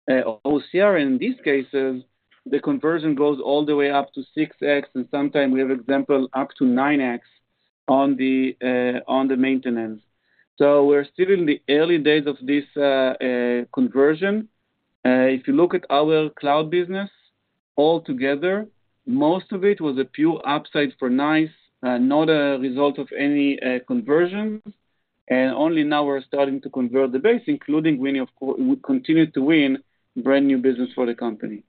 OCR. In these cases, the conversion goes all the way up to 6x, and sometimes we have example, up to 9x on the maintenance. We're still in the early days of this conversion. If you look at our cloud business altogether, most of it was a pure upside for NICE, not a result of any conversion. Only now we're starting to convert the base, including winning of we continue to win brand-new business for the company.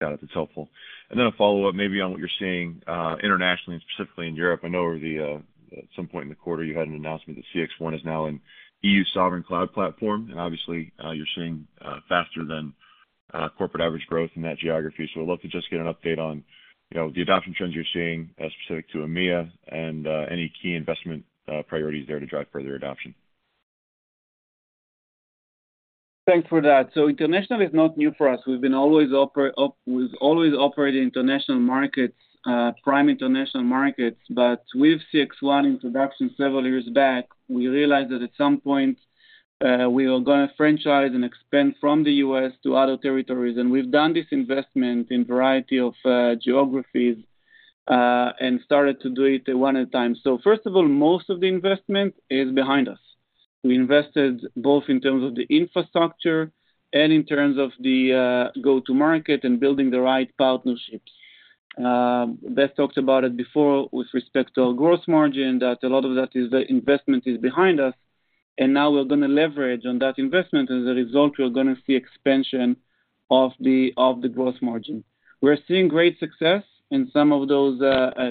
Got it. It's helpful. Then a follow-up maybe on what you're seeing, internationally and specifically in Europe. I know over the, at some point in the quarter, you had an announcement that CXone is now in EU Sovereign Cloud platform, obviously, you're seeing, faster than, corporate average growth in that geography. I'd love to just get an update on, you know, the adoption trends you're seeing, specific to EMEA and, any key investment, priorities there to drive further adoption. Thanks for that. International is not new for us. We've always operated in international markets, prime international markets. With CXone introduction several years back, we realized that at some point, we were gonna franchise and expand from the US to other territories. We've done this investment in a variety of geographies, and started to do it one at a time. First of all, most of the investment is behind us. We invested both in terms of the infrastructure and in terms of the go-to-market and building the right partnerships. Beth talked about it before with respect to our growth margin, that a lot of that is the investment is behind us, and now we're gonna leverage on that investment. As a result, we're gonna see expansion of the, of the growth margin. We're seeing great success in some of those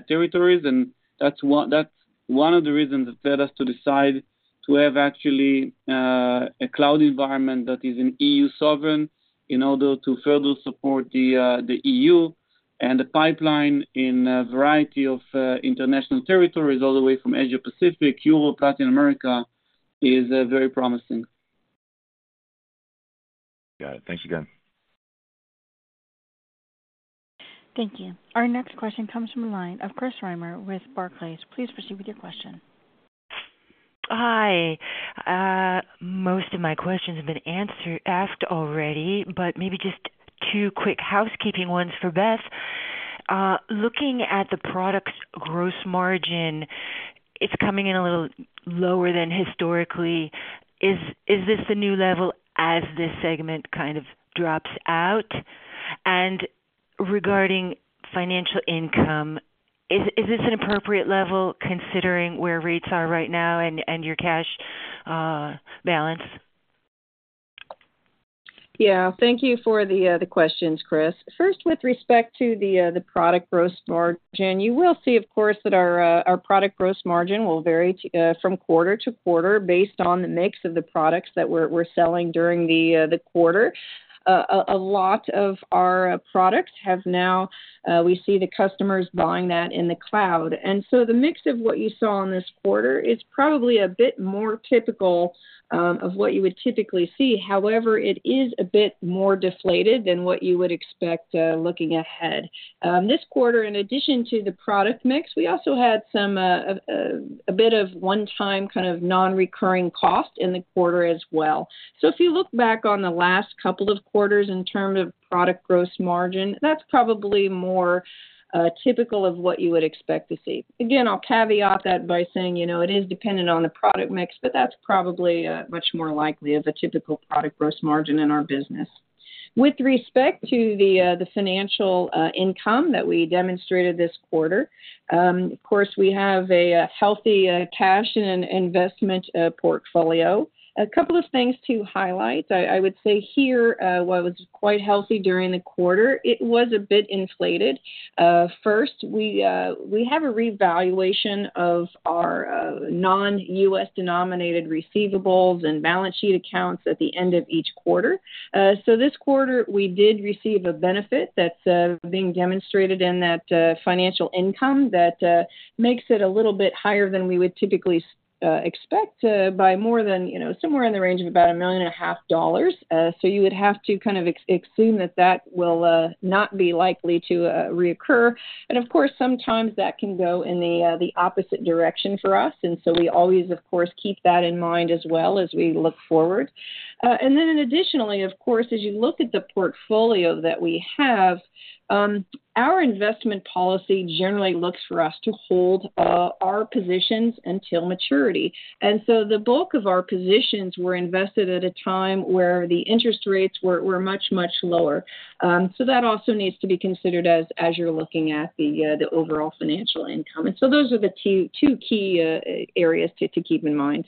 territories, and that's one, that's one of the reasons that led us to decide to have actually a cloud environment that is in EU Sovereign in order to further support the EU. The pipeline in a variety of international territories, all the way from Asia Pacific, Europe, Latin America, is very promising. Got it. Thanks again. Thank you. Our next question comes from the line of Chris Reimer with Barclays. Please proceed with your question. Hi. Most of my questions have been answer- asked already, but maybe just 2 quick housekeeping ones for Beth. Looking at the product's gross margin, it's coming in a little lower than historically. Is, is this the new level as this segment kind of drops out? Regarding financial income, is, is this an appropriate level considering where rates are right now and, and your cash balance? Yeah, thank you for the questions, Chris. First, with respect to the product gross margin, you will see, of course, that our product gross margin will vary from quarter to quarter based on the mix of the products that we're, we're selling during the quarter. A lot of our products have now, we see the customers buying that in the cloud. The mix of what you saw in this quarter is probably a bit more typical of what you would typically see. However, it is a bit more deflated than what you would expect looking ahead. This quarter, in addition to the product mix, we also had some a bit of one-time kind of non-recurring cost in the quarter as well. If you look back on the last couple of quarters in terms of product gross margin, that's probably more typical of what you would expect to see. Again, I'll caveat that by saying, you know, it is dependent on the product mix, but that's probably much more likely as a typical product gross margin in our business. With respect to the financial income that we demonstrated this quarter, of course, we have a healthy cash and investment portfolio. A couple of things to highlight. I, I would say here, while it was quite healthy during the quarter, it was a bit inflated. First, we have a revaluation of our non-U.S. denominated receivables and balance sheet accounts at the end of each quarter. So this quarter we did receive a benefit that's being demonstrated in that financial income that makes it a little bit higher than we would typically expect by more than, you know, somewhere in the range of about $1.5 million. So you would have to kind of assume that that will not be likely to reoccur. Of course, sometimes that can go in the opposite direction for us, and so we always, of course, keep that in mind as well as we look forward. Then additionally, of course, as you look at the portfolio that we have, our investment policy generally looks for us to hold our positions until maturity. The bulk of our positions were invested at a time where the interest rates were, were much, much lower. So that also needs to be considered as, as you're looking at the overall financial income. Those are the two key areas to keep in mind.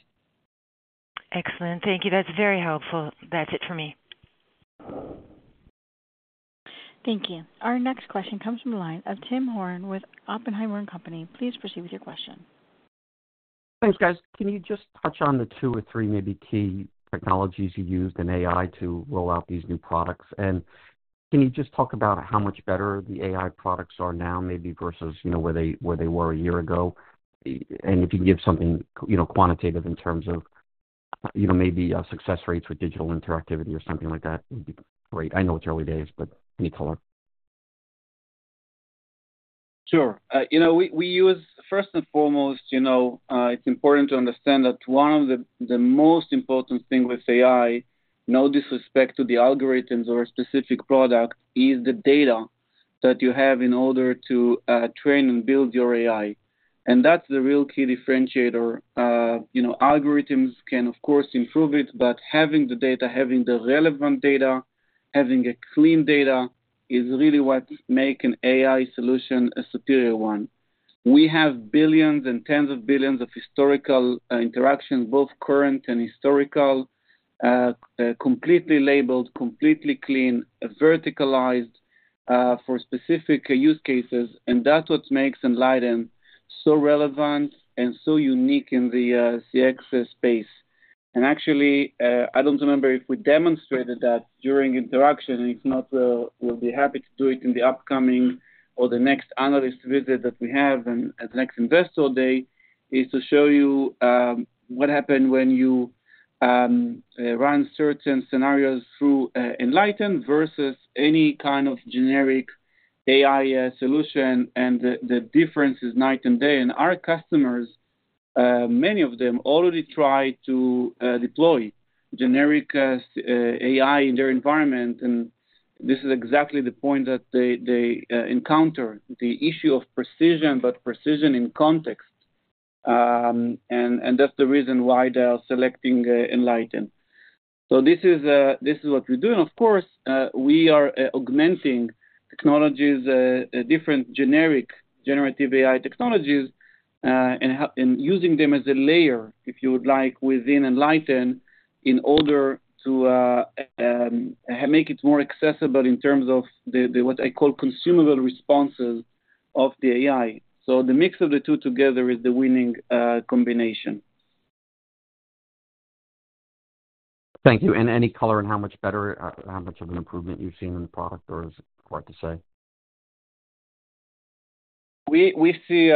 Excellent. Thank you. That's very helpful. That's it for me. Thank you. Our next question comes from the line of Tim Horan with Oppenheimer & Co. Please proceed with your question. Thanks, guys. Can you just touch on the 2 or 3 maybe key technologies you used in AI to roll out these new products? Can you just talk about how much better the AI products are now, maybe versus, you know, where they, where they were 1 year ago? If you can give something, you know, quantitative in terms of, you know, maybe success rates with digital interactivity or something like that would be great. I know it's early days, but any color? Sure. you know, we use First and foremost, you know, it's important to understand that one of the most important thing with AI, no disrespect to the algorithms or specific product, is the data that you have in order to train and build your AI. That's the real key differentiator. you know, algorithms can, of course, improve it, but having the data, having the relevant data, having a clean data, is really what make an AI solution a superior one. We have billions and tens of billions of historical interactions, both current and historical, completely labeled, completely clean, verticalized, for specific use cases, and that's what makes Enlighten so relevant and so unique in the CX space. Actually, I don't remember if we demonstrated that during Interactions. If not, we'll be happy to do it in the upcoming or the next analyst visit that we have and at the next Investor Day, is to show you, what happened when you run certain scenarios through Enlighten versus any kind of generic AI solution, and the difference is night and day. Our customers, many of them already try to deploy generic AI in their environment, and this is exactly the point that they encounter: the issue of precision, but precision in context. That's the reason why they are selecting Enlighten. This is, this is what we're doing. Of course, we are augmenting technologies, different generic, generative AI technologies, and using them as a layer, if you would like, within Enlighten, in order to make it more accessible in terms of the, the, what I call consumable responses of the AI. The mix of the two together is the winning combination. Thank you. Any color on how much better, how much of an improvement you've seen in the product, or is it hard to say? We, we see,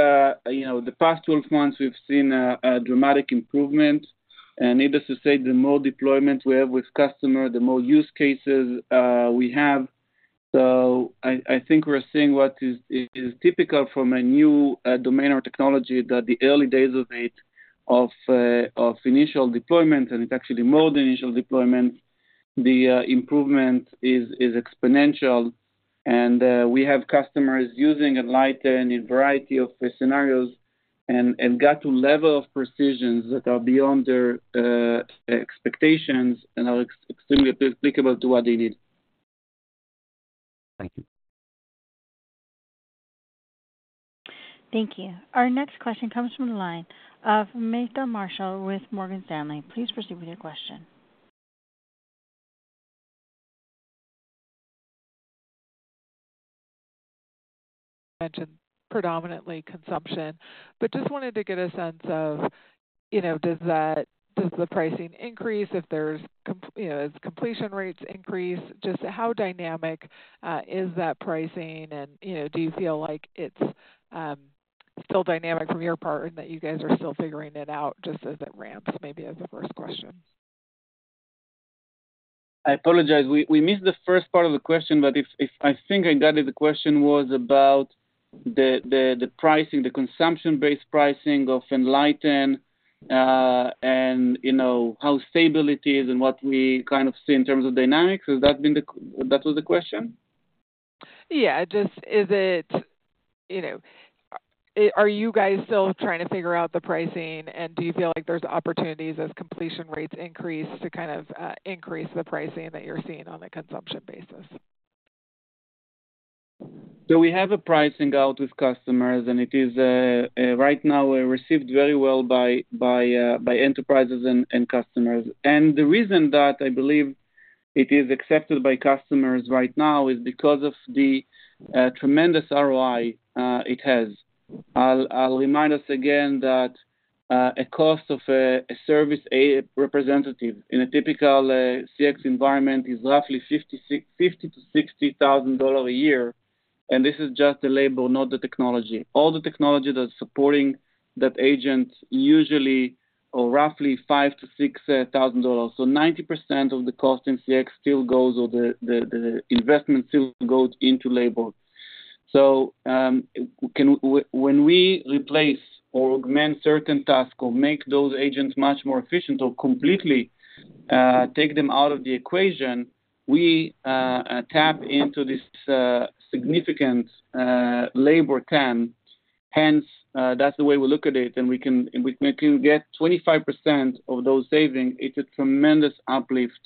you know, the past 12 months, we've seen a, a dramatic improvement. Needless to say, the more deployments we have with customer, the more use cases, we have. I, I think we're seeing what is, is typical from a new, domain or technology, that the early days of it, of, of initial deployment, and it's actually more than initial deployment, the, improvement is, is exponential. We have customers using Enlighten in a variety of scenarios and, and got to level of precisions that are beyond their, expectations and are extremely applicable to what they need. Thank you. Our next question comes from the line of Meta Marshall with Morgan Stanley. Please proceed with your question. Mentioned predominantly consumption. Just wanted to get a sense of, you know, does that does the pricing increase if there's comp, you know, as completion rates increase? Just how dynamic is that pricing? You know, do you feel like it's still dynamic from your part and that you guys are still figuring it out just as it ramps? Maybe as a first question. I apologize. We, we missed the first part of the question, but if, if I think I got it, the question was about the, the, the pricing, the consumption-based pricing of Enlighten, and you know, how stable it is and what we kind of see in terms of dynamics. Has that been the, that was the question? Yeah. Just is it, you know, are you guys still trying to figure out the pricing? Do you feel like there's opportunities as completion rates increase to kind of increase the pricing that you're seeing on a consumption basis? We have a pricing out with customers, and it is right now, we're received very well by enterprises and customers. The reason that I believe it is accepted by customers right now is because of the tremendous ROI it has. I'll remind us again that a cost of a service, a representative in a typical CX environment is roughly 50-60, $50,000-$60,000 a year, and this is just the labor, not the technology. All the technology that's supporting that agent, usually or roughly $5,000-$6,000. 90% of the cost in CX still goes or the investment still goes into labor. Can we... When we replace or augment certain tasks or make those agents much more efficient or completely take them out of the equation, we tap into this significant labor can. Hence, that's the way we look at it, and we can, we can get 25% of those savings. It's a tremendous uplift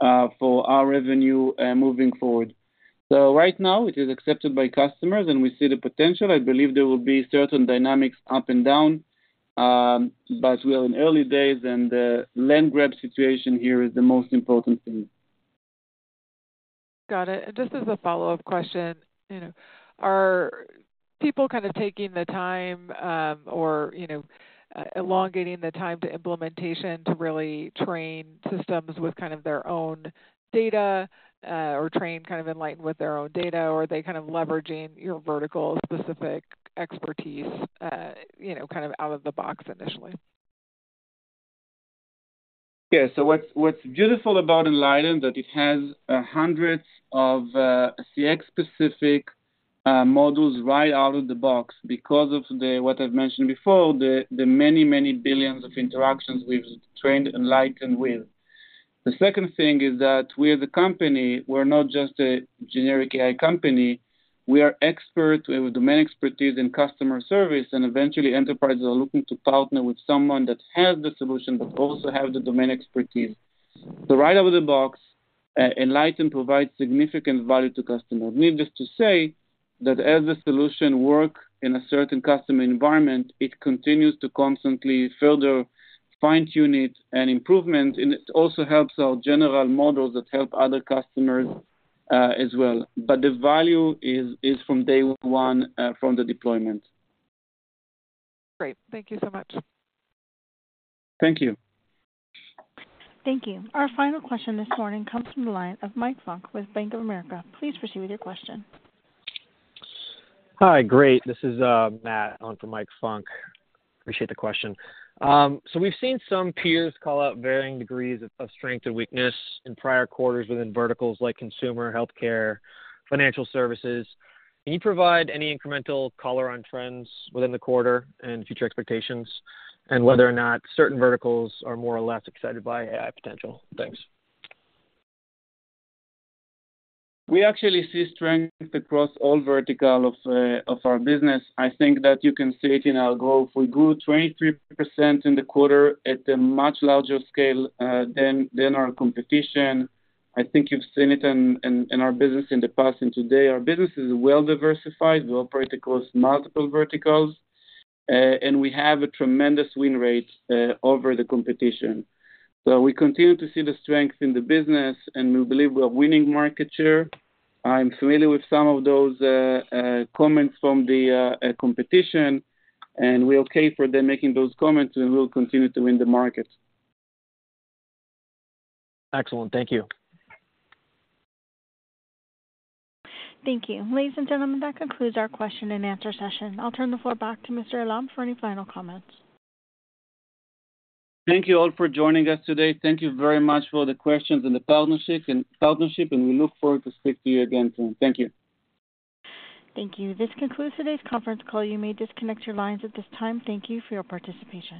for our revenue moving forward. Right now, it is accepted by customers, and we see the potential. I believe there will be certain dynamics up and down, but we are in early days, and the land grab situation here is the most important thing. Got it. Just as a follow-up question, you know, are people kind of taking the time, or, you know, elongating the time to implementation to really train systems with kind of their own data, or train kind of Enlighten with their own data? Or are they kind of leveraging your vertical specific expertise, you know, kind of out of the box initially? Yeah. What's, what's beautiful about Enlighten, that it has hundreds of CX specific models right out of the box because of what I've mentioned before, the many, many billions of interactions we've trained Enlighten with. The second thing is that we as a company, we're not just a generic AI company. We are experts with domain expertise in customer service, and eventually enterprises are looking to partner with someone that has the solution, but also have the domain expertise. Right out of the box, Enlighten provides significant value to customers. Needless to say, that as the solution work in a certain customer environment, it continues to constantly further fine-tune it and improvement, and it also helps our general models that help other customers as well. The value is, is from day one, from the deployment. Great. Thank you so much. Thank you. Thank you. Our final question this morning comes from the line of Mike Funk with Bank of America. Please proceed with your question. Hi, great. This is Matt on for Mike Funk. Appreciate the question. We've seen some peers call out varying degrees of strength and weakness in prior quarters within verticals like consumer healthcare, financial services. Can you provide any incremental color on trends within the quarter and future expectations and whether or not certain verticals are more or less excited by AI potential? Thanks. We actually see strength across all verticals of our business. I think that you can see it in our growth. We grew 23% in the quarter at a much larger scale than our competition. I think you've seen it in our business in the past and today. Our business is well diversified. We operate across multiple verticals, and we have a tremendous win rate over the competition. We continue to see the strength in the business, and we believe we are winning market share. I'm familiar with some of those comments from the competition, and we're okay for them making those comments, and we will continue to win the market. Excellent. Thank you. Thank you. Ladies and gentlemen, that concludes our question and answer session. I'll turn the floor back to Mr. Eilam for any final comments. Thank you all for joining us today. Thank you very much for the questions and the partnership, and we look forward to speak to you again soon. Thank you. Thank you. This concludes today's conference call. You may disconnect your lines at this time. Thank you for your participation.